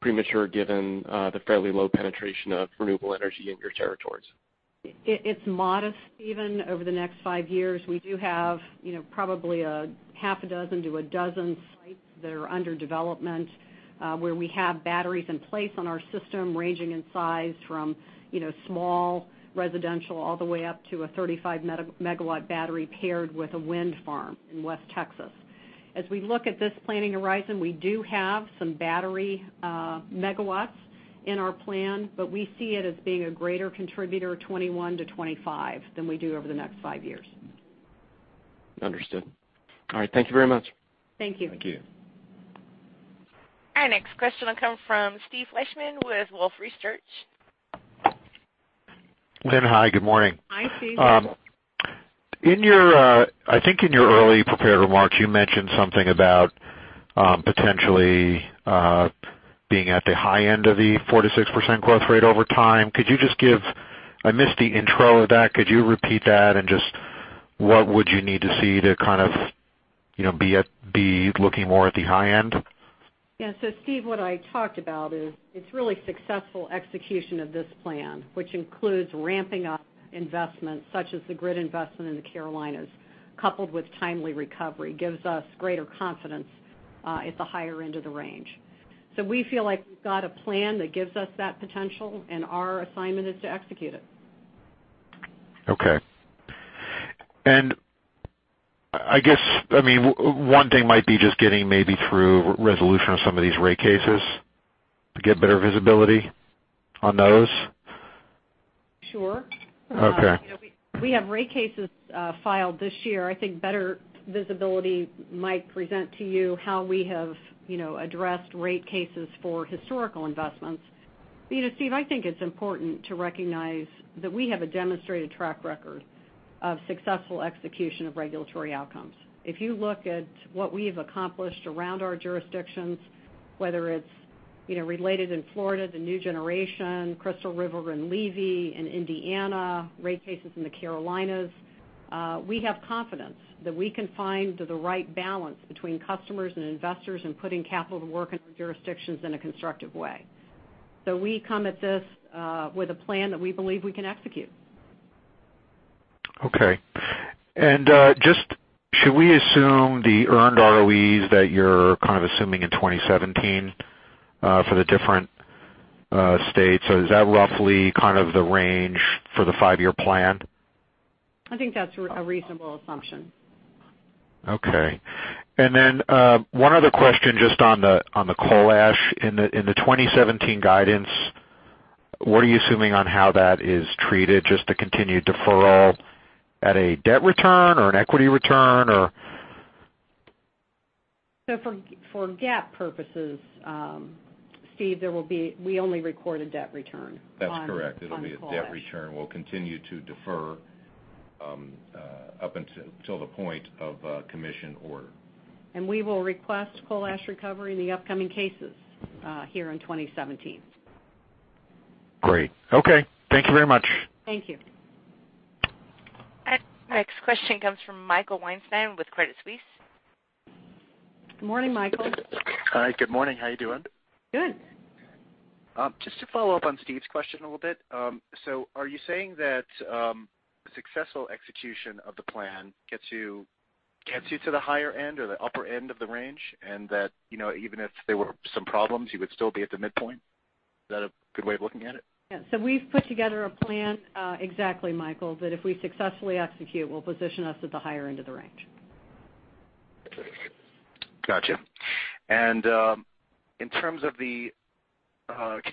premature given the fairly low penetration of renewable energy in your territories? It's modest, even over the next five years. We do have probably a half a dozen to a dozen sites that are under development, where we have batteries in place on our system, ranging in size from small residential all the way up to a 35-megawatt battery paired with a wind farm in West Texas. As we look at this planning horizon, we do have some battery megawatts in our plan, but we see it as being a greater contributor 2021 to 2025 than we do over the next five years. Understood. All right. Thank you very much. Thank you. Thank you. Our next question will come from Steve Fleishman with Wolfe Research. Lynn, hi. Good morning. Hi, Steve. I think in your early prepared remarks, you mentioned something about potentially being at the high end of the 4%-6% growth rate over time. I missed the intro of that. Could you repeat that, and just what would you need to see to be looking more at the high end? Yeah. Steve, what I talked about is it's really successful execution of this plan, which includes ramping up investments such as the grid investment in the Carolinas, coupled with timely recovery, gives us greater confidence at the higher end of the range. We feel like we've got a plan that gives us that potential, and our assignment is to execute it. Okay. I guess one thing might be just getting maybe through resolution of some of these rate cases to get better visibility on those? Sure. Okay. We have rate cases filed this year. I think better visibility might present to you how we have addressed rate cases for historical investments. Steve, I think it's important to recognize that we have a demonstrated track record of successful execution of regulatory outcomes. If you look at what we've accomplished around our jurisdictions, whether it's related in Florida, the new generation, Crystal River and Levy County in Indiana, rate cases in the Carolinas, we have confidence that we can find the right balance between customers and investors in putting capital to work in our jurisdictions in a constructive way. We come at this with a plan that we believe we can execute. Okay. Should we assume the earned ROEs that you're kind of assuming in 2017 for the different states? Is that roughly kind of the range for the five-year plan? I think that's a reasonable assumption. Okay. Then one other question just on the coal ash. In the 2017 guidance, what are you assuming on how that is treated, just the continued deferral at a debt return or an equity return, or? For GAAP purposes, Steve, we only record a debt return on- That's correct. It'll be- coal ash a debt return. We'll continue to defer up until the point of commission order. We will request coal ash recovery in the upcoming cases here in 2017. Great. Okay. Thank you very much. Thank you. Next question comes from Michael Weinstein with Credit Suisse. Good morning, Michael. Hi. Good morning. How you doing? Good. Just to follow up on Steve's question a little bit. Are you saying that the successful execution of the plan gets you to the higher end or the upper end of the range, and that even if there were some problems, you would still be at the midpoint? Is that a good way of looking at it? Yeah. We've put together a plan, exactly, Michael, that if we successfully execute, will position us at the higher end of the range. Gotcha. Could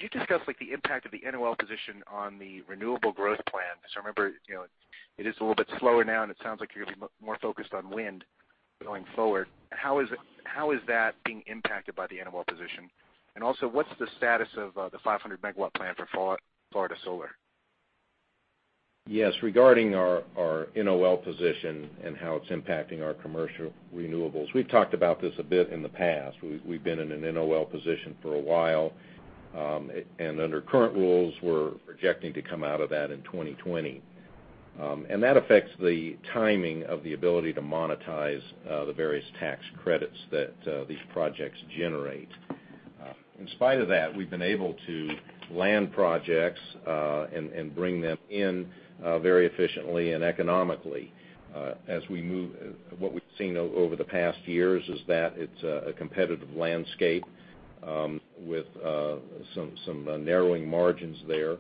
you discuss the impact of the NOL position on the renewable growth plan? Because remember, it is a little bit slower now, and it sounds like you're going to be more focused on wind going forward. How is that being impacted by the NOL position? Also, what's the status of the 500-megawatt plan for Florida Solar? Yes. Regarding our NOL position and how it's impacting our commercial renewables, we've talked about this a bit in the past. We've been in an NOL position for a while. Under current rules, we're projecting to come out of that in 2020. That affects the timing of the ability to monetize the various tax credits that these projects generate. In spite of that, we've been able to land projects, and bring them in very efficiently and economically. What we've seen over the past years is that it's a competitive landscape with some narrowing margins there.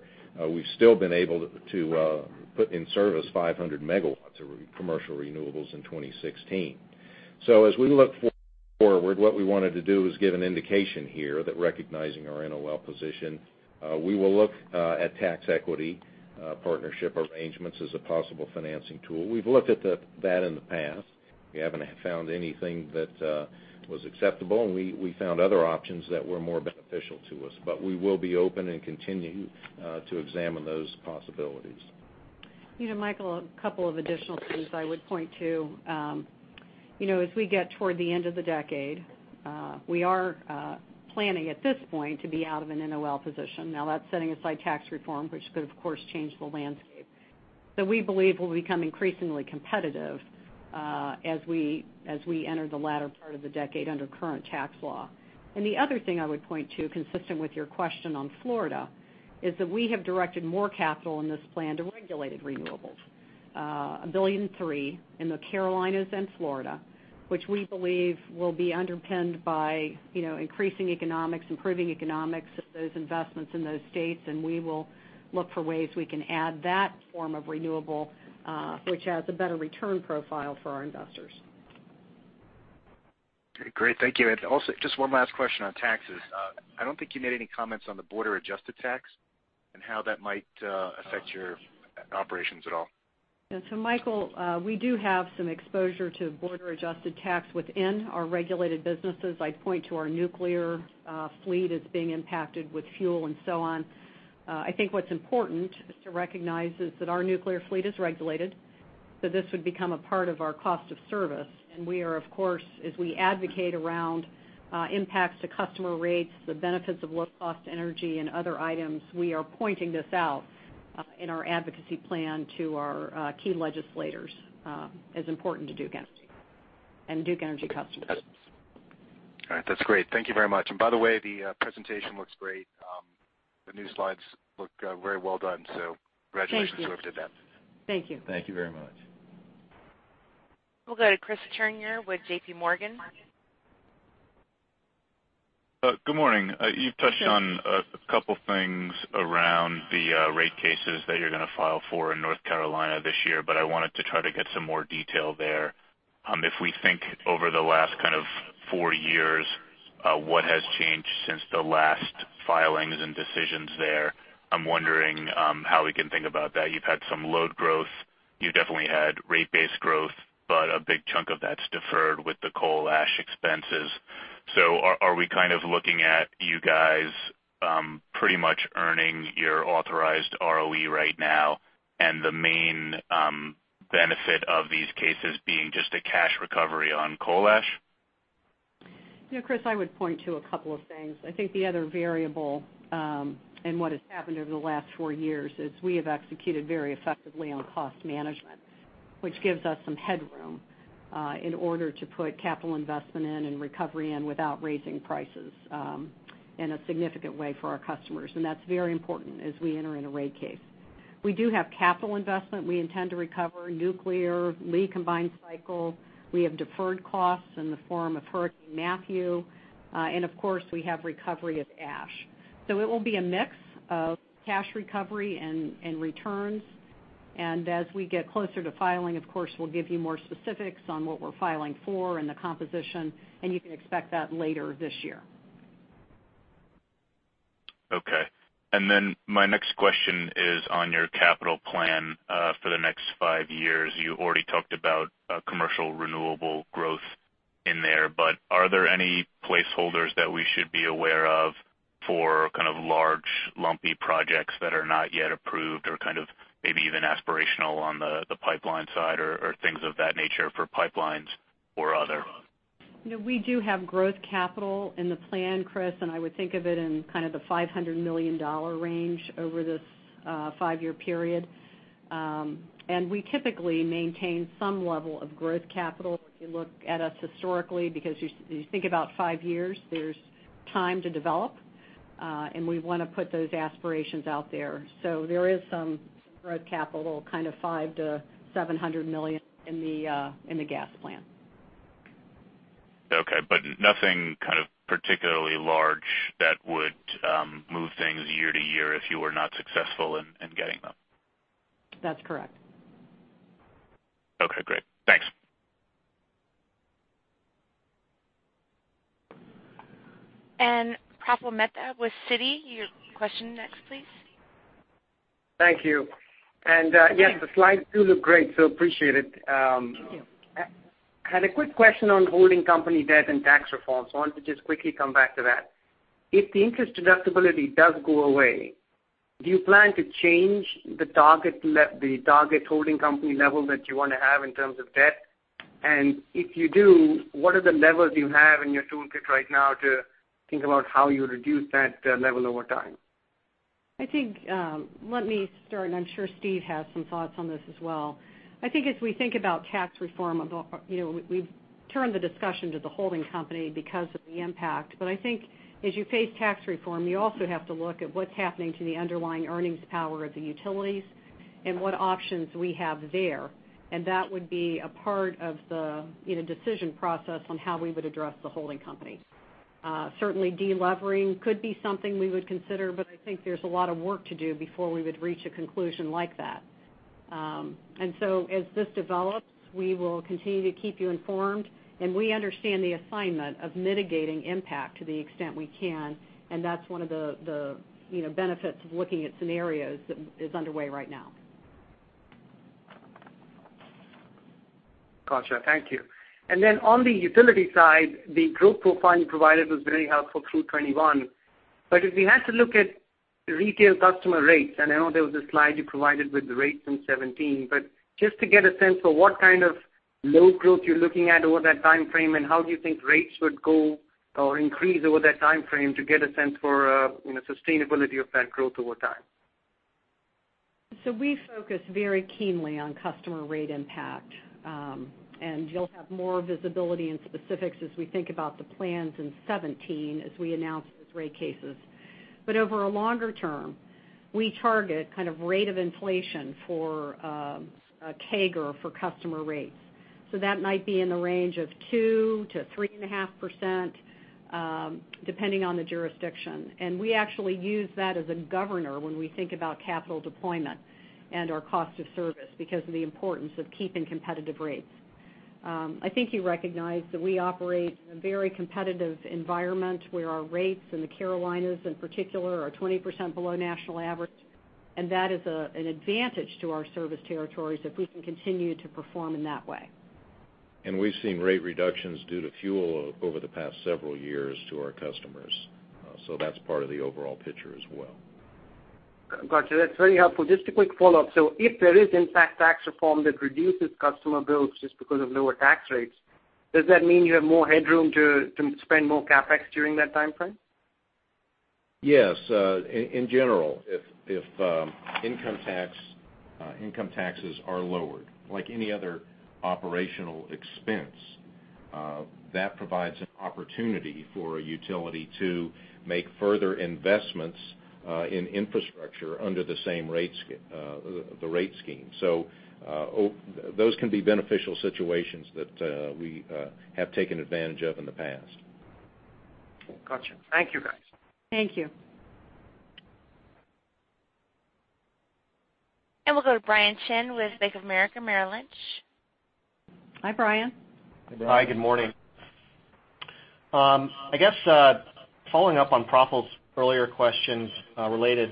We've still been able to put in service 500 megawatts of commercial renewables in 2016. As we look forward, what we wanted to do is give an indication here that recognizing our NOL position, we will look at tax equity partnership arrangements as a possible financing tool. We've looked at that in the past. We haven't found anything that was acceptable, and we found other options that were more beneficial to us, but we will be open and continuing to examine those possibilities. Michael, a couple of additional things I would point to. As we get toward the end of the decade, we are planning at this point to be out of an NOL position. Now that's setting aside tax reform, which could of course change the landscape. We believe we'll become increasingly competitive as we enter the latter part of the decade under current tax law. The other thing I would point to, consistent with your question on Florida, is that we have directed more capital in this plan to regulated renewables. $1.3 billion in the Carolinas and Florida, which we believe will be underpinned by increasing economics, improving economics of those investments in those states. We will look for ways we can add that form of renewable, which has a better return profile for our investors. Okay, great. Thank you. Also, just one last question on taxes. I don't think you made any comments on the border-adjusted tax and how that might affect your operations at all. Michael, we do have some exposure to border-adjusted tax within our regulated businesses. I'd point to our nuclear fleet as being impacted with fuel and so on. I think what's important is to recognize is that our nuclear fleet is regulated, so this would become a part of our cost of service. We are, of course, as we advocate around impacts to customer rates, the benefits of low-cost energy and other items, we are pointing this out in our advocacy plan to our key legislators as important to Duke Energy and Duke Energy customers. All right. That's great. Thank you very much. By the way, the presentation looks great. The new slides look very well done. Congratulations. Thank you whoever did that. Thank you. Thank you very much. We'll go to Chris Turnure with JPMorgan. Good morning. You've touched on a couple things around the rate cases that you're going to file for in North Carolina this year, but I wanted to try to get some more detail there. If we think over the last kind of four years, what has changed since the last filings and decisions there, I'm wondering how we can think about that. You've had some load growth. You definitely had rate-based growth, but a big chunk of that's deferred with the coal ash expenses. Are we kind of looking at you guys pretty much earning your authorized ROE right now, and the main benefit of these cases being just a cash recovery on coal ash? Yeah, Chris, I would point to a couple of things. I think the other variable in what has happened over the last four years is we have executed very effectively on cost management, which gives us some headroom in order to put capital investment in and recovery in without raising prices in a significant way for our customers. That's very important as we enter in a rate case. We do have capital investment we intend to recover, nuclear, Lee combined cycle. We have deferred costs in the form of Hurricane Matthew. Of course, we have recovery of ash. It will be a mix of cash recovery and returns. As we get closer to filing, of course, we'll give you more specifics on what we're filing for and the composition, and you can expect that later this year. Okay. My next question is on your capital plan for the next five years. You already talked about commercial renewable growth in there, but are there any placeholders that we should be aware of for kind of large, lumpy projects that are not yet approved or kind of maybe even aspirational on the pipeline side or things of that nature for pipelines or other? We do have growth capital in the plan, Chris, and I would think of it in kind of the $500 million range over this five-year period. We typically maintain some level of growth capital if you look at us historically, because you think about five years, there's time to develop, and we want to put those aspirations out there. There is some growth capital, kind of $500 million-$700 million in the gas plan. Okay. Nothing kind of particularly large that would move things year-to-year if you were not successful in getting them? That's correct. Okay, great. Thanks. Praful Mehta with Citi, your question next, please. Thank you. Yes. Yeah the slides do look great, so appreciate it. Thank you. I had a quick question on holding company debt and tax reform, so I want to just quickly come back to that. If the interest deductibility does go away, do you plan to change the target holding company level that you want to have in terms of debt? If you do, what are the levels you have in your toolkit right now to think about how you reduce that level over time? Let me start, and I'm sure Steve has some thoughts on this as well. I think as we think about tax reform, we've turned the discussion to the holding company because of the impact. I think as you face tax reform, you also have to look at what's happening to the underlying earnings power of the utilities and what options we have there. That would be a part of the decision process on how we would address the holding company. Certainly, de-levering could be something we would consider, but I think there's a lot of work to do before we would reach a conclusion like that. As this develops, we will continue to keep you informed, and we understand the assignment of mitigating impact to the extent we can. That's one of the benefits of looking at scenarios that is underway right now. Gotcha. Thank you. On the utility side, the group profile you provided was very helpful through 2021. If we had to look at retail customer rates, and I know there was a slide you provided with the rates in 2017, but just to get a sense of what kind of low growth you're looking at over that time frame, and how do you think rates would go or increase over that time frame to get a sense for sustainability of that growth over time? We focus very keenly on customer rate impact. You'll have more visibility and specifics as we think about the plans in 2017 as we announce those rate cases. Over a longer term, we target kind of rate of inflation for a CAGR for customer rates. That might be in the range of 2%-3.5% depending on the jurisdiction. We actually use that as a governor when we think about capital deployment and our cost of service because of the importance of keeping competitive rates. I think you recognize that we operate in a very competitive environment where our rates in the Carolinas in particular are 20% below national average, and that is an advantage to our service territories if we can continue to perform in that way. We've seen rate reductions due to fuel over the past several years to our customers. That's part of the overall picture as well. Got you. That's very helpful. Just a quick follow-up. If there is, in fact, tax reform that reduces customer bills just because of lower tax rates, does that mean you have more headroom to spend more CapEx during that time frame? Yes. In general, if income taxes are lowered, like any other operational expense, that provides an opportunity for a utility to make further investments in infrastructure under the same rate scheme. Those can be beneficial situations that we have taken advantage of in the past. Got you. Thank you, guys. Thank you. We'll go to Brian Chin with Bank of America Merrill Lynch. Hi, Brian. Hey, Brian. Hi, good morning. I guess following up on Praful's earlier questions related,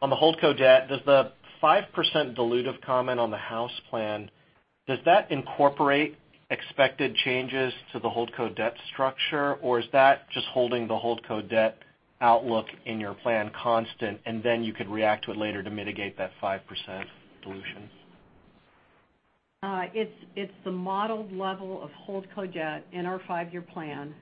on the holdco debt, does the 5% dilutive comment on the House plan, does that incorporate expected changes to the holdco debt structure, or is that just holding the holdco debt outlook in your plan constant, and then you could react to it later to mitigate that 5% dilution? It's the modeled level of holdco debt in our five-year plan.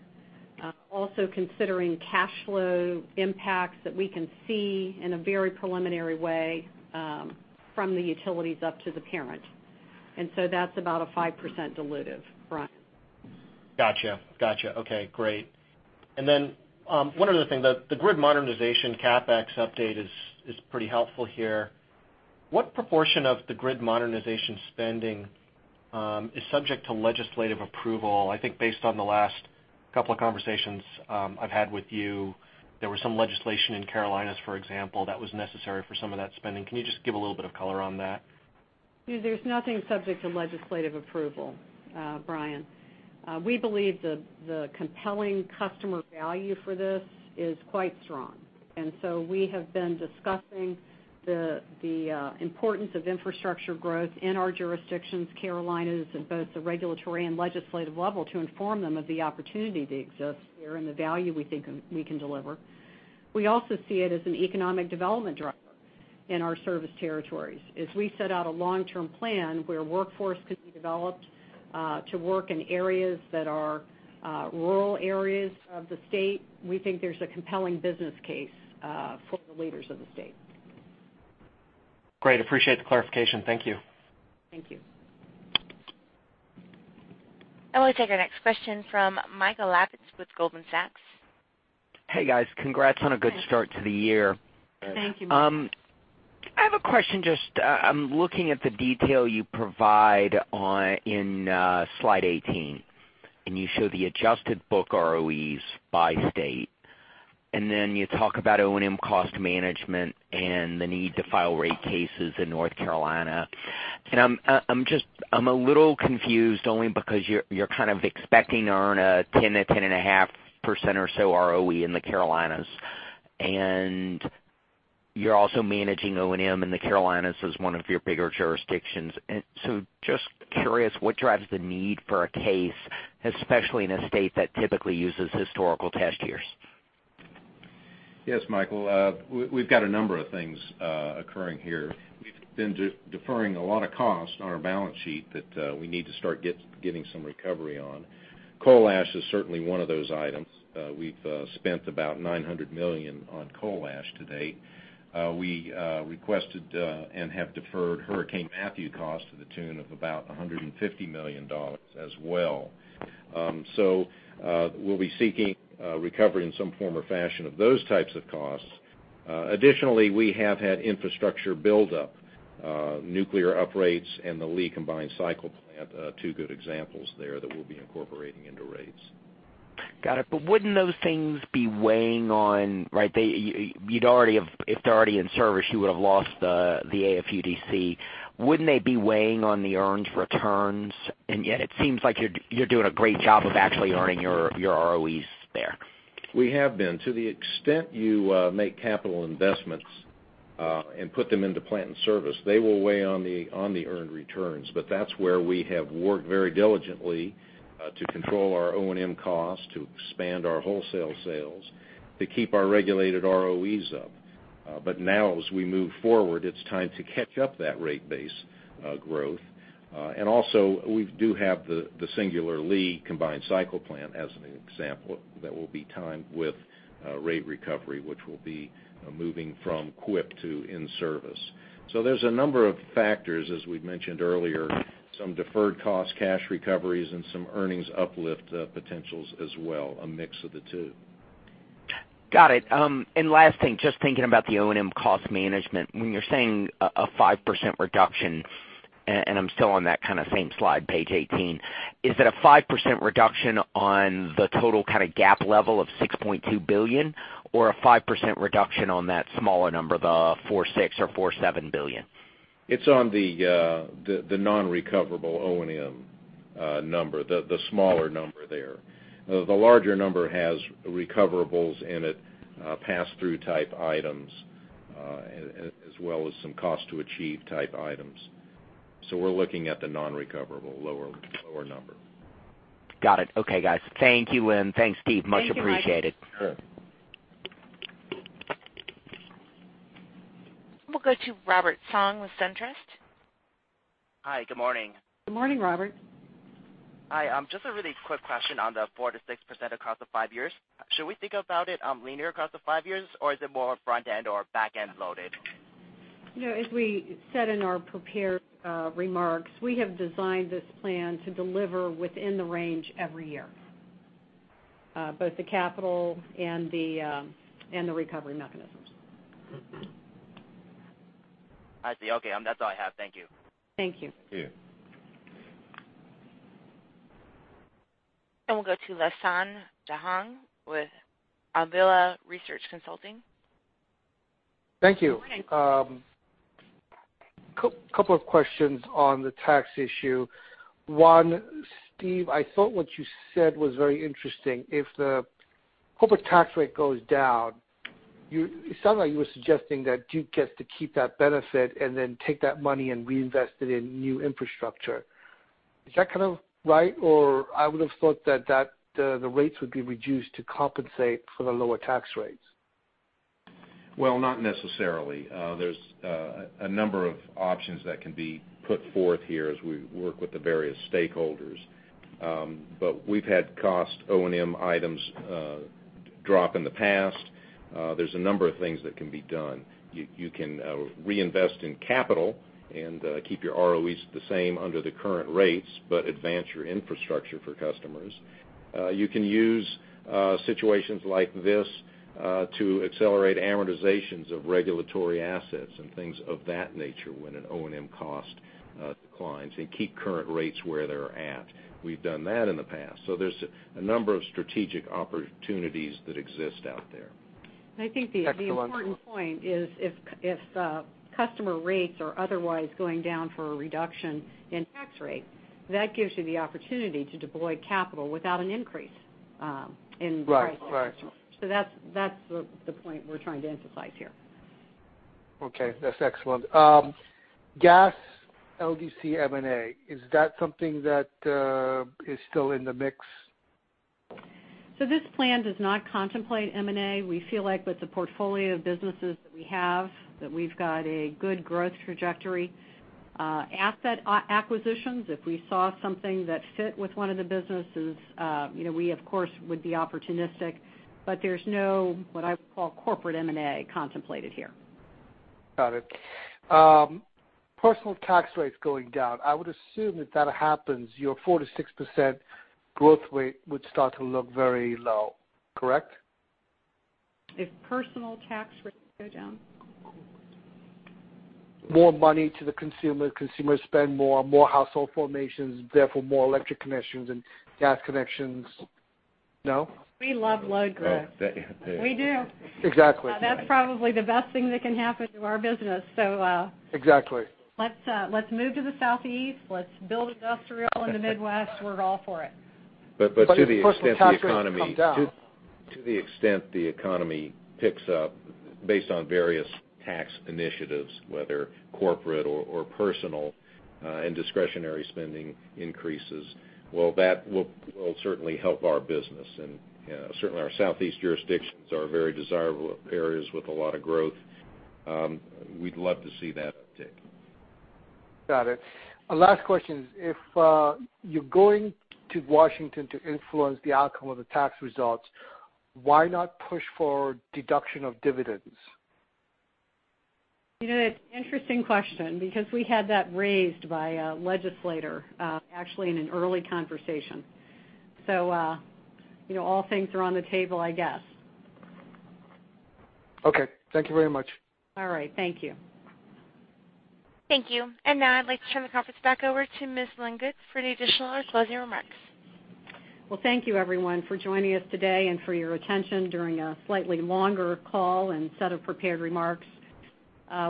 Also considering cash flow impacts that we can see in a very preliminary way from the utilities up to the parent. That's about a 5% dilutive, Brian. Got you. Okay, great. One other thing, the grid modernization CapEx update is pretty helpful here. What proportion of the grid modernization spending is subject to legislative approval? I think based on the last couple of conversations I've had with you, there was some legislation in Carolinas, for example, that was necessary for some of that spending. Can you just give a little bit of color on that? There's nothing subject to legislative approval, Brian. We believe the compelling customer value for this is quite strong. We have been discussing the importance of infrastructure growth in our jurisdictions, Carolinas, at both the regulatory and legislative level to inform them of the opportunity that exists there and the value we think we can deliver. We also see it as an economic development driver in our service territories. As we set out a long-term plan where workforce could be developed to work in areas that are rural areas of the state, we think there's a compelling business case for the leaders of the state. Great. Appreciate the clarification. Thank you. Thank you. I will take our next question from Michael Lapides with Goldman Sachs. Hey, guys. Congrats on a good start to the year. Thank you, Michael. I have a question. I'm looking at the detail you provide in slide 18. You show the adjusted book ROEs by state. Then you talk about O&M cost management and the need to file rate cases in North Carolina. I'm a little confused only because you're kind of expecting to earn a 10%-10.5% or so ROE in the Carolinas. You're also managing O&M in the Carolinas as one of your bigger jurisdictions. Just curious, what drives the need for a case, especially in a state that typically uses historical test years? Yes, Michael. We've got a number of things occurring here. We've been deferring a lot of cost on our balance sheet that we need to start getting some recovery on. Coal ash is certainly one of those items. We've spent about $900 million on coal ash to date. We requested and have deferred Hurricane Matthew costs to the tune of about $150 million as well. We'll be seeking recovery in some form or fashion of those types of costs. Additionally, we have had infrastructure buildup, nuclear uprates in the Lee combined cycle plant, two good examples there that we'll be incorporating into rates. Got it. Wouldn't those things be weighing on, if they're already in service, you would have lost the AFUDC. Wouldn't they be weighing on the earned returns? Yet it seems like you're doing a great job of actually earning your ROEs there. We have been. To the extent you make capital investments and put them into plant and service, they will weigh on the earned returns. That's where we have worked very diligently to control our O&M costs, to expand our wholesale sales, to keep our regulated ROEs up. Now as we move forward, it's time to catch up that rate base growth. Also, we do have the singular Lee combined cycle plant as an example, that will be timed with rate recovery, which will be moving from CWIP to in-service. There's a number of factors as we've mentioned earlier, some deferred cost cash recoveries and some earnings uplift potentials as well, a mix of the two. Last thing, just thinking about the O&M cost management. When you're saying a 5% reduction, and I'm still on that kind of same slide, page 18, is it a 5% reduction on the total kind of GAAP level of $6.2 billion or a 5% reduction on that smaller number, the 4.6 or $4.7 billion? It's on the non-recoverable O&M number, the smaller number there. The larger number has recoverables in it, pass-through type items, as well as some cost to achieve type items. We're looking at the non-recoverable lower number. Got it. Okay, guys. Thank you, Lynn. Thanks, Steve. Much appreciated. Thank you, Michael. Sure. We'll go to Robert Song with SunTrust. Hi, good morning. Good morning, Robert. Hi. Just a really quick question on the 4%-6% across the five years. Should we think about it linear across the five years, or is it more front-end or back-end loaded? As we said in our prepared remarks, we have designed this plan to deliver within the range every year, both the capital and the recovery mechanisms. I see. Okay. That's all I have. Thank you. Thank you. Thank you. We'll go to Lasan Johong with Auvila Research Consulting. Thank you. Good morning. Couple of questions on the tax issue. One, Steve, I thought what you said was very interesting. If the corporate tax rate goes down, it sounded like you were suggesting that Duke gets to keep that benefit and then take that money and reinvest it in new infrastructure. Is that kind of right? I would have thought that the rates would be reduced to compensate for the lower tax rates. Well, not necessarily. There's a number of options that can be put forth here as we work with the various stakeholders. We've had cost O&M items drop in the past. There's a number of things that can be done. You can reinvest in capital and keep your ROEs the same under the current rates, but advance your infrastructure for customers. You can use situations like this, to accelerate amortizations of regulatory assets and things of that nature when an O&M cost declines and keep current rates where they're at. We've done that in the past. There's a number of strategic opportunities that exist out there. I think the important point is if customer rates are otherwise going down for a reduction in tax rate, that gives you the opportunity to deploy capital without an increase in prices. Right. That's the point we're trying to emphasize here. Okay. That's excellent. Gas LDC M&A, is that something that is still in the mix? This plan does not contemplate M&A. We feel like with the portfolio of businesses that we have, that we've got a good growth trajectory. Asset acquisitions, if we saw something that fit with one of the businesses, we of course would be opportunistic. There's no what I would call corporate M&A contemplated here. Got it. Personal tax rates going down. I would assume if that happens, your 4%-6% growth rate would start to look very low. Correct? If personal tax rates go down? More money to the consumer, consumers spend more, more household formations, therefore more electric connections and gas connections. No? We love load growth. No. We do. Exactly. That's probably the best thing that can happen to our business. Exactly Let's move to the Southeast. Let's build industrial in the Midwest. We're all for it. To the extent the economy. If personal tax rates come down. To the extent the economy picks up based on various tax initiatives, whether corporate or personal, and discretionary spending increases, well, that will certainly help our business. Certainly our Southeast jurisdictions are very desirable areas with a lot of growth. We'd love to see that uptick. Got it. Last question. If you're going to Washington to influence the outcome of the tax results, why not push for deduction of dividends? It's an interesting question because we had that raised by a legislator, actually in an early conversation. All things are on the table, I guess. Okay. Thank you very much. All right. Thank you. Thank you. Now I'd like to turn the conference back over to Ms. Good for any additional or closing remarks. Thank you everyone for joining us today and for your attention during a slightly longer call and set of prepared remarks.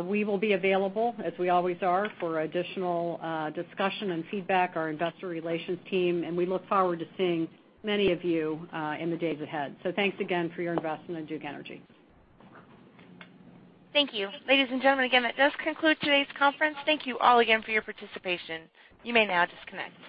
We will be available, as we always are, for additional discussion and feedback, our investor relations team, and we look forward to seeing many of you in the days ahead. Thanks again for your investment in Duke Energy. Thank you. Ladies and gentlemen, again, that does conclude today's conference. Thank you all again for your participation. You may now disconnect.